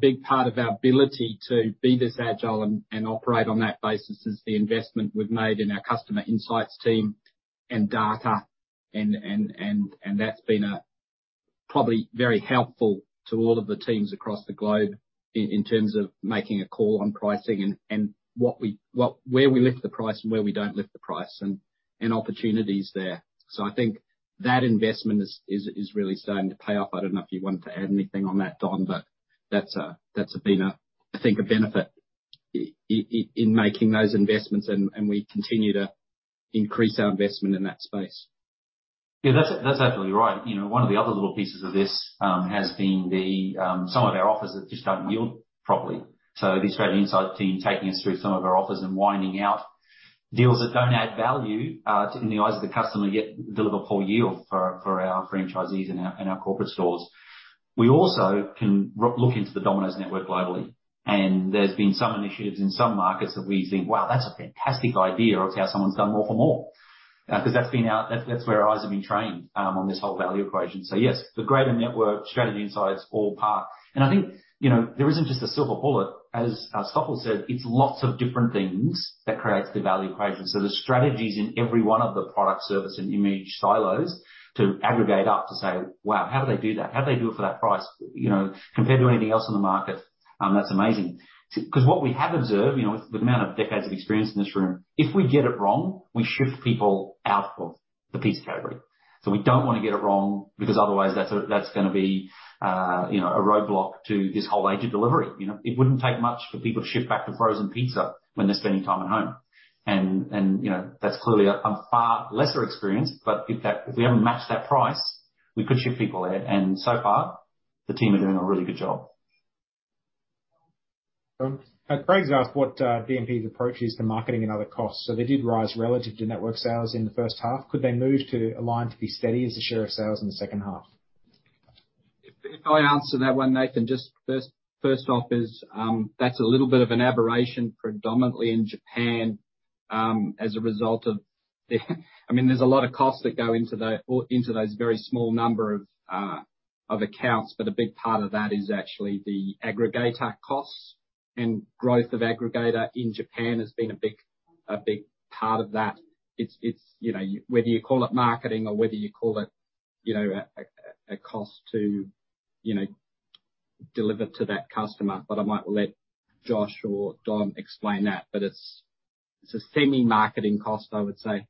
big part of our ability to be this agile and operate on that basis is the investment we've made in our customer insights team and data, and that's been probably very helpful to all of the teams across the globe in terms of making a call on pricing and where we lift the price and where we don't lift the price and opportunities there. So I think that investment is really starting to pay off. I don't know if you wanted to add anything on that, Don, but that's been, I think, a benefit in making those investments, and we continue to increase our investment in that space. Yeah, that's absolutely right. One of the other little pieces of this has been some of our offers that just don't yield properly. The Australian insights team taking us through some of our offers and winding out deals that don't add value in the eyes of the customer, yet deliver poor yield for our franchisees and our corporate stores. We also can look into the Domino's network globally. And there's been some initiatives in some markets that we think, "Wow, that's a fantastic idea of how someone's done more for more," because that's where our eyes have been trained on this whole value equation. So yes, the greater network, strategy insights, all par. And I think there isn't just a silver bullet. As Stoffel said, it's lots of different things that create the value equation. So the strategies in every one of the product, service, and image silos to aggregate up to say, "Wow, how do they do that? How do they do it for that price compared to anything else in the market?" That's amazing. Because what we have observed with the amount of decades of experience in this room, if we get it wrong, we shift people out of the pizza category. So we don't want to get it wrong because otherwise that's going to be a roadblock to this whole age of delivery. It wouldn't take much for people to ship back to frozen pizza when they're spending time at home. And that's clearly a far lesser experience. But if we haven't matched that price, we could shift people there. And so far, the team are doing a really good job. Craig asked what DPE's approach is to marketing and other costs so they did rise relative to network sales in the first half. Could they move to align to be steady as a share of sales in the second half? If I answer that one, Nathan, just first off, that's a little bit of an aberration predominantly in Japan as a result of the, I mean, there's a lot of costs that go into those very small number of accounts, but a big part of that is actually the aggregator costs. And growth of aggregator in Japan has been a big part of that. It's whether you call it marketing or whether you call it a cost to deliver to that customer. But I might let Josh or Don explain that, but it's a semi-marketing cost, I would say.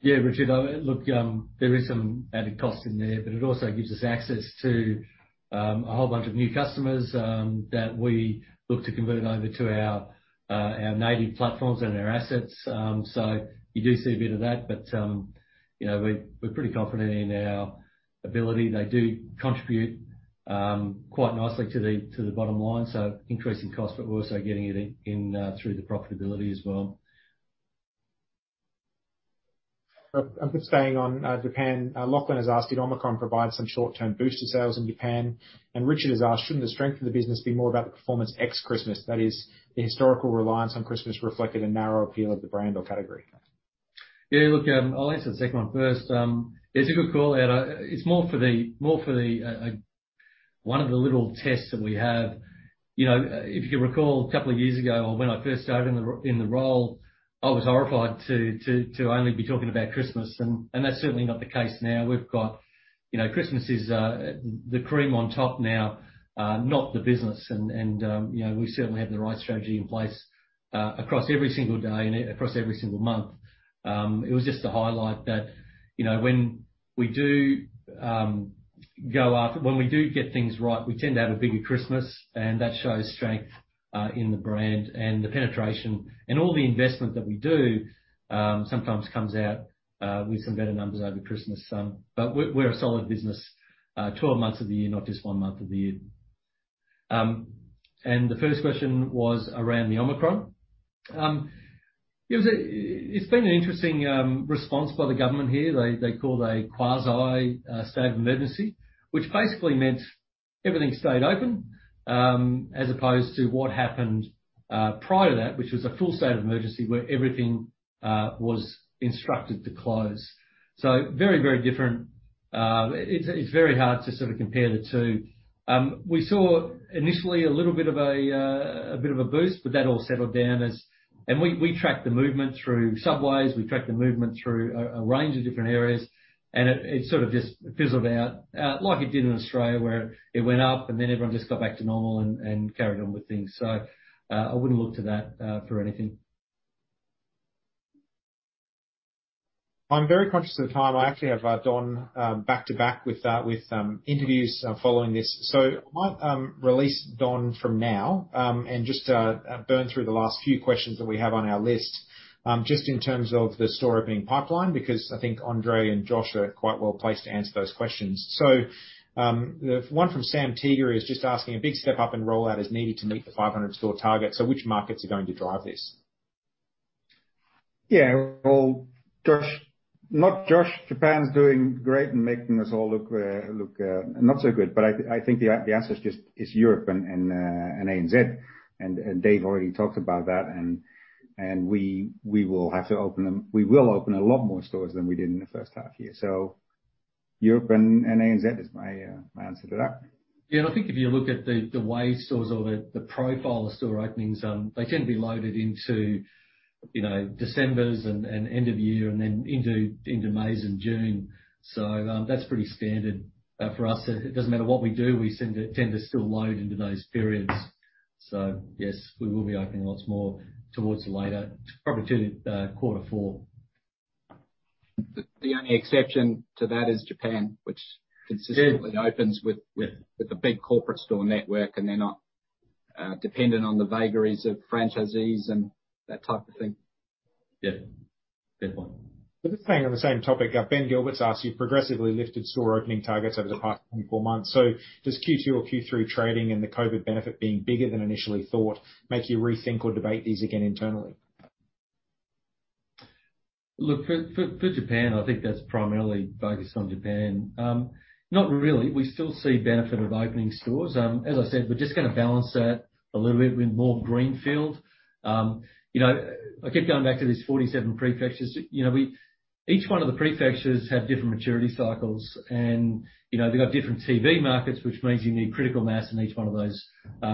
Yeah, Richard, look, there is some added cost in there, but it also gives us access to a whole bunch of new customers that we look to convert over to our native platforms and our assets. So you do see a bit of that, but we're pretty confident in our ability. They do contribute quite nicely to the bottom line. So increasing cost, but we're also getting it in through the profitability as well. I'm just staying on Japan. Lachlan has asked, "Did Omicron provide some short-term boost to sales in Japan?" And Richard has asked, "Shouldn't the strength of the business be more about the performance ex-Christmas? That is, the historical reliance on Christmas reflected a narrow appeal of the brand or category? Yeah, look, I'll answer the second one first. It's a good call. It's more for the one of the little tests that we have. If you can recall a couple of years ago or when I first started in the role, I was horrified to only be talking about Christmas. And that's certainly not the case now. We've got Christmas as the cream on top now, not the business. And we certainly have the right strategy in place across every single day and across every single month. It was just to highlight that when we do get things right, we tend to have a bigger Christmas, and that shows strength in the brand and the penetration. And all the investment that we do sometimes comes out with some better numbers over Christmas. We're a solid business 12 months of the year, not just one month of the year. And the first question was around the Omicron. It's been an interesting response by the government here. They called a quasi-state of emergency, which basically meant everything stayed open as opposed to what happened prior to that, which was a full state of emergency where everything was instructed to close. So very, very different. It's very hard to sort of compare the two. We saw initially a little bit of a boost, but that all settled down. And we tracked the movement through subways. We tracked the movement through a range of different areas. And it sort of just fizzled out like it did in Australia, where it went up, and then everyone just got back to normal and carried on with things. So I wouldn't look to that for anything. I'm very conscious of the time. I actually have Don back to back with interviews following this. So I might release Don from now and just burn through the last few questions that we have on our list just in terms of the store opening pipeline because I think Andre and Josh are quite well placed to answer those questions. So the one from Sam Teeger is just asking, "A big step up and rollout is needed to meet the 500 store target." So which markets are going to drive this? Yeah, well, not just Japan's doing great and making us all look not so good, but I think the answer is just Europe and ANZ. And Dave already talked about that. And we will have to open them, we will open a lot more stores than we did in the first half year. So Europe and ANZ is my answer to that. Yeah, and I think if you look at the way stores are open, the profile of store openings, they tend to be loaded into December and end of year and then into May and June. So that's pretty standard for us. It doesn't matter what we do. We tend to still load into those periods. So yes, we will be opening lots more towards later, probably to quarter four. The only exception to that is Japan, which consistently opens with a big corporate store network, and they're not dependent on the vagaries of franchisees and that type of thing. Yeah, fair point. The other thing on the same topic, Ben Gilbert's asked, "You've progressively lifted store opening targets over the past 24 months. So does Q2 or Q3 trading and the COVID benefit being bigger than initially thought make you rethink or debate these again internally? Look, for Japan, I think that's primarily focused on Japan. Not really. We still see benefit of opening stores. As I said, we're just going to balance that a little bit with more greenfield. I keep going back to these 47 prefectures. Each one of the prefectures has different maturity cycles, and they've got different TV markets, which means you need critical mass in each one of those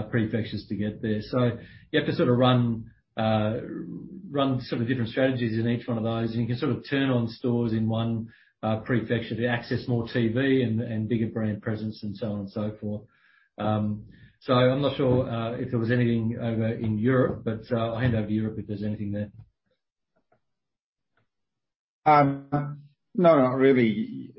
prefectures to get there. So you have to sort of run sort of different strategies in each one of those. And you can sort of turn on stores in one prefecture to access more TV and bigger brand presence and so on and so forth. So I'm not sure if there was anything over in Europe, but I'll hand over to Europe if there's anything there. No, not really.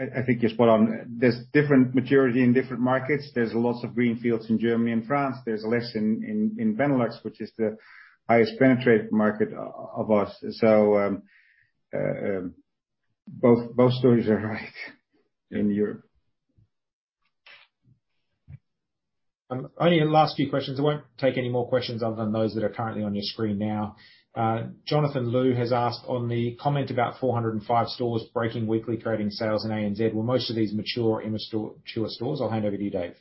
I think just what I'm. There's different maturity in different markets. There's lots of greenfields in Germany and France. There's less in Benelux, which is the highest penetrated market of us. So both stories are right in Europe. Only last few questions. I won't take any more questions other than those that are currently on your screen now. Jonathan Lau has asked on the comment about 405 stores breaking weekly, creating sales in ANZ. Were most of these mature or immature stores? I'll hand over to you, Dave.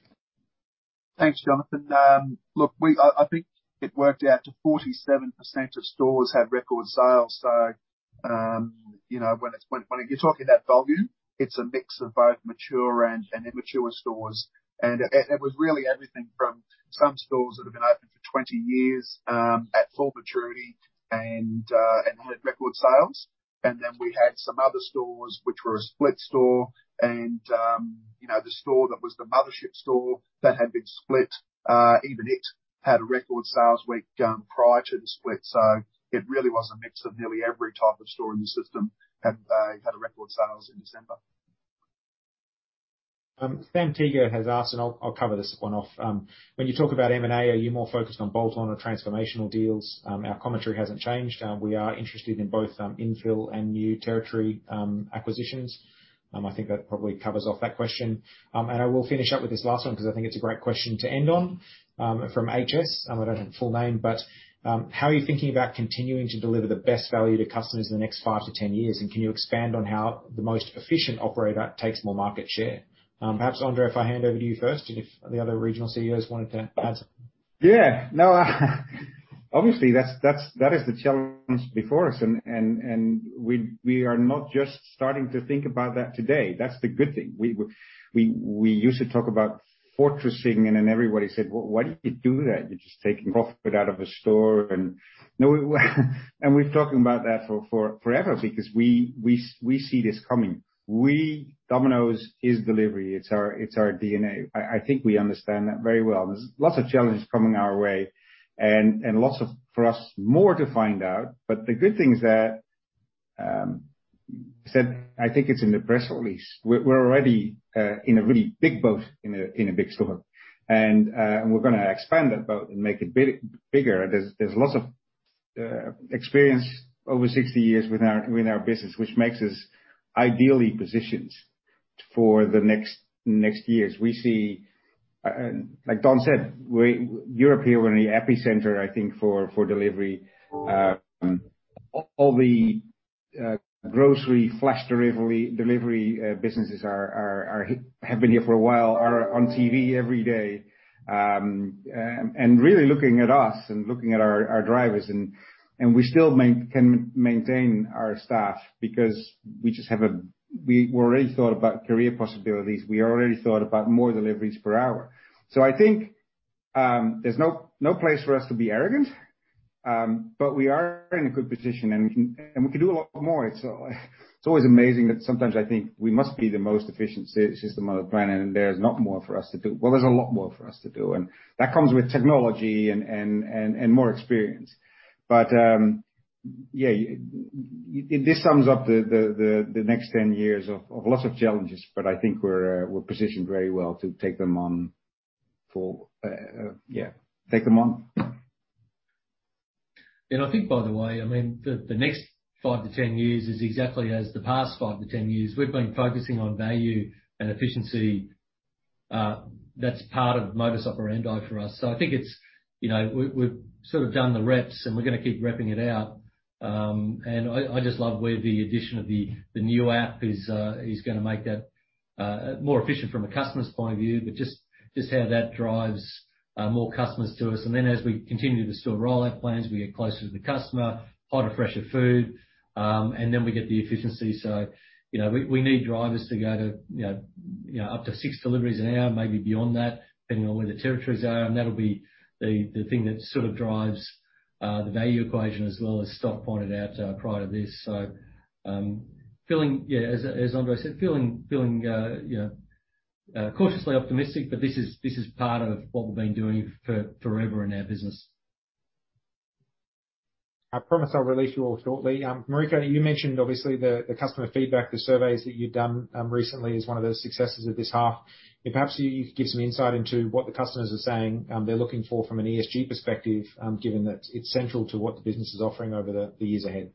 Thanks, Jonathan. Look, I think it worked out to 47% of stores had record sales. So when you're talking about volume, it's a mix of both mature and immature stores. And it was really everything from some stores that have been open for 20 years at full maturity and had record sales. And then we had some other stores which were a split store. And the store that was the mothership store that had been split, even it had a record sales week prior to the split. So it really was a mix of nearly every type of store in the system had a record sales in December. Sam Teeger has asked, and I'll cover this one off. When you talk about M&A, are you more focused on bolt-on or transformational deals? Our commentary hasn't changed. We are interested in both infill and new territory acquisitions. I think that probably covers off that question, and I will finish up with this last one because I think it's a great question to end on from HS. I don't have the full name, but how are you thinking about continuing to deliver the best value to customers in the next five to 10 years? And can you expand on how the most efficient operator takes more market share? Perhaps, Andre, if I hand over to you first and if the other regional CEOs wanted to add something. Yeah. No, obviously, that is the challenge before us, and we are not just starting to think about that today. That's the good thing. We used to talk about fortressing, and then everybody said, "Why do you do that? You're just taking profit out of a store," and we've been talking about that forever because we see this coming. Domino's is delivery. It's our DNA. I think we understand that very well. There's lots of challenges coming our way and lots for us more to find out, but the good thing is that I think it's in the press release. We're already in a really big boat in a big store, and we're going to expand that boat and make it bigger. There's lots of experience over 60 years with our business, which makes us ideally positioned for the next years. We see, like Don said, Europe. Here we're in the epicenter, I think, for delivery. All the grocery flash delivery businesses have been here for a while, are on TV every day, and really looking at us and looking at our drivers. We still can maintain our staff because we just have a—we've already thought about career possibilities. We already thought about more deliveries per hour. So I think there's no place for us to be arrogant, but we are in a good position, and we can do a lot more. It's always amazing that sometimes I think we must be the most efficient system on the planet, and there's not more for us to do. Well, there's a lot more for us to do. That comes with technology and more experience. But yeah, this sums up the next 10 years of lots of challenges, but I think we're positioned very well to take them on, yeah, take them on. And I think, by the way, I mean, the next five to 10 years is exactly as the past five to 10 years. We've been focusing on value and efficiency. That's part of modus operandi for us. So I think we've sort of done the reps, and we're going to keep repping it out. And I just love where the addition of the new app is going to make that more efficient from a customer's point of view, but just how that drives more customers to us. And then as we continue to store roll-out plans, we get closer to the customer, hotter, fresher food, and then we get the efficiency. So we need drivers to go to up to six deliveries an hour, maybe beyond that, depending on where the territories are. And that'll be the thing that sort of drives the value equation as well as Stoffel pointed out prior to this. So feeling, yeah, as Andre said, feeling cautiously optimistic, but this is part of what we've been doing forever in our business. I promise I'll release you all shortly. Marika, you mentioned obviously the customer feedback, the surveys that you've done recently as one of the successes of this half. Perhaps you could give some insight into what the customers are saying they're looking for from an ESG perspective, given that it's central to what the business is offering over the years ahead.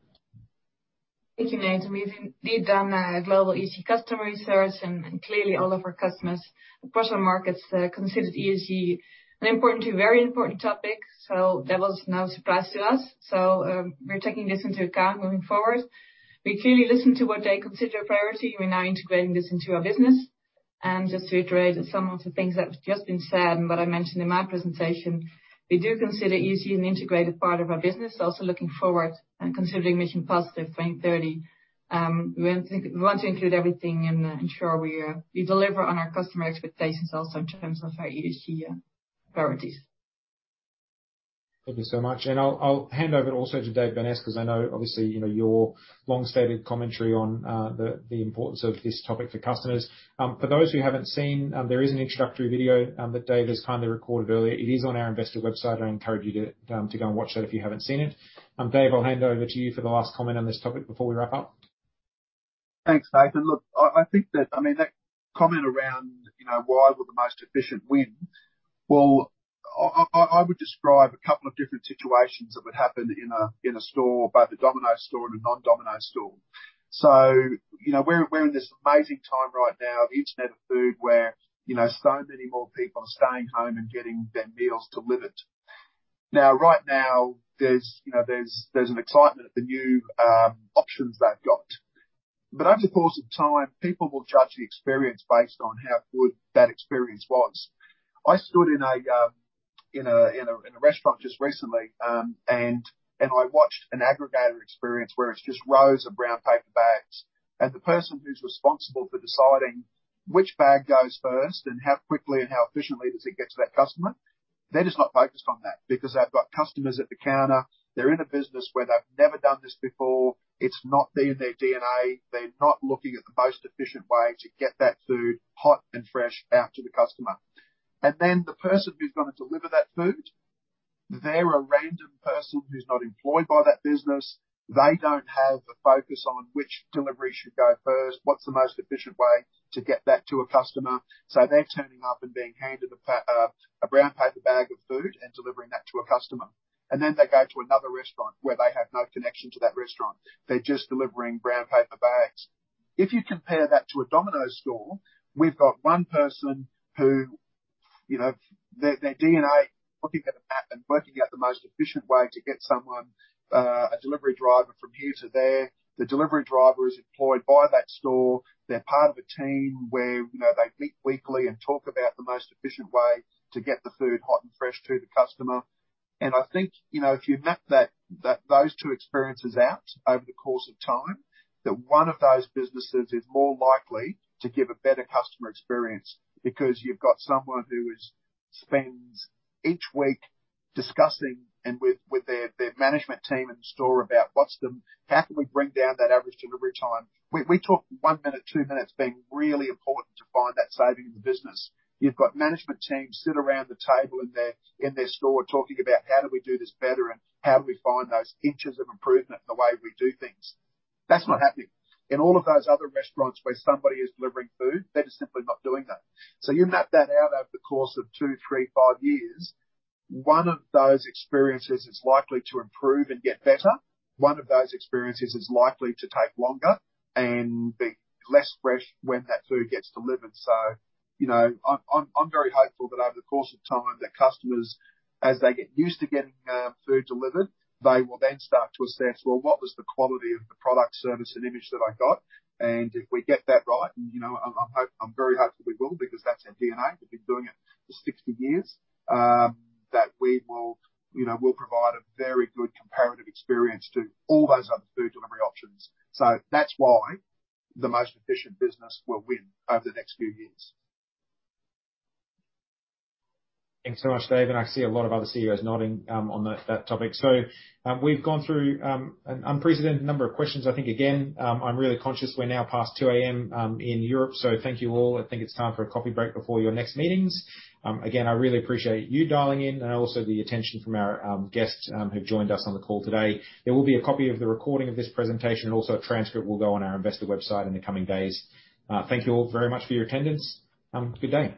Thank you, Nathan. We've indeed done global ESG customer research, and clearly all of our customers across our markets considered ESG an important to very important topic. So that was no surprise to us. So we're taking this into account moving forward. We clearly listen to what they consider a priority. We're now integrating this into our business. And just to iterate on some of the things that have just been said and what I mentioned in my presentation, we do consider ESG an integrated part of our business, also looking forward and considering Mission Positive 2030. We want to include everything and ensure we deliver on our customer expectations also in terms of our ESG priorities. Thank you so much, and I'll hand over also to Dave Burness because I know obviously your long-standing commentary on the importance of this topic for customers. For those who haven't seen, there is an introductory video that Dave has kindly recorded earlier. It is on our investor website. I encourage you to go and watch that if you haven't seen it. Dave, I'll hand over to you for the last comment on this topic before we wrap up. Thanks, Nathan. Look, I think that, I mean, that comment around why will the most efficient win? Well, I would describe a couple of different situations that would happen in a store, both a Domino's store and a non-Domino's store. So we're in this amazing time right now, the Internet of Food, where so many more people are staying home and getting their meals delivered. Now, right now, there's an excitement at the new options they've got. But over the course of time, people will judge the experience based on how good that experience was. I stood in a restaurant just recently, and I watched an aggregator experience where it's just rows of brown paper bags. And the person who's responsible for deciding which bag goes first and how quickly and how efficiently does it get to that customer, they're just not focused on that because they've got customers at the counter. They're in a business where they've never done this before. It's not been their DNA. They're not looking at the most efficient way to get that food hot and fresh out to the customer. And then the person who's going to deliver that food, they're a random person who's not employed by that business. They don't have a focus on which delivery should go first, what's the most efficient way to get that to a customer. So they're turning up and being handed a brown paper bag of food and delivering that to a customer. And then they go to another restaurant where they have no connection to that restaurant. They're just delivering brown paper bags. If you compare that to a Domino's store, we've got one person whose DNA is looking at a map and working out the most efficient way to get someone a delivery driver from here to there. The delivery driver is employed by that store. They're part of a team where they meet weekly and talk about the most efficient way to get the food hot and fresh to the customer. And I think if you map those two experiences out over the course of time, that one of those businesses is more likely to give a better customer experience because you've got someone who spends each week discussing with their management team in the store about how can we bring down that average delivery time. We talk one minute, two minutes being really important to find that saving in the business. You've got management teams sitting around the table in their store talking about how do we do this better and how do we find those inches of improvement in the way we do things. That's not happening. In all of those other restaurants where somebody is delivering food, they're just simply not doing that. So you map that out over the course of two, three, five years, one of those experiences is likely to improve and get better. One of those experiences is likely to take longer and be less fresh when that food gets delivered. I'm very hopeful that over the course of time, that customers, as they get used to getting food delivered, they will then start to assess, "Well, what was the quality of the product, service, and image that I got?" And if we get that right, and I'm very hopeful we will because that's our DNA. We've been doing it for 60 years, that we will provide a very good comparative experience to all those other food delivery options. That's why the most efficient business will win over the next few years. Thanks so much, Dave. And I can see a lot of other CEOs nodding on that topic. So we've gone through an unprecedented number of questions. I think, again, I'm really conscious we're now past 2:00 A.M. in Europe. So thank you all. I think it's time for a coffee break before your next meetings. Again, I really appreciate you dialing in and also the attention from our guests who've joined us on the call today. There will be a copy of the recording of this presentation and also a transcript will go on our investor website in the coming days. Thank you all very much for your attendance. Good day.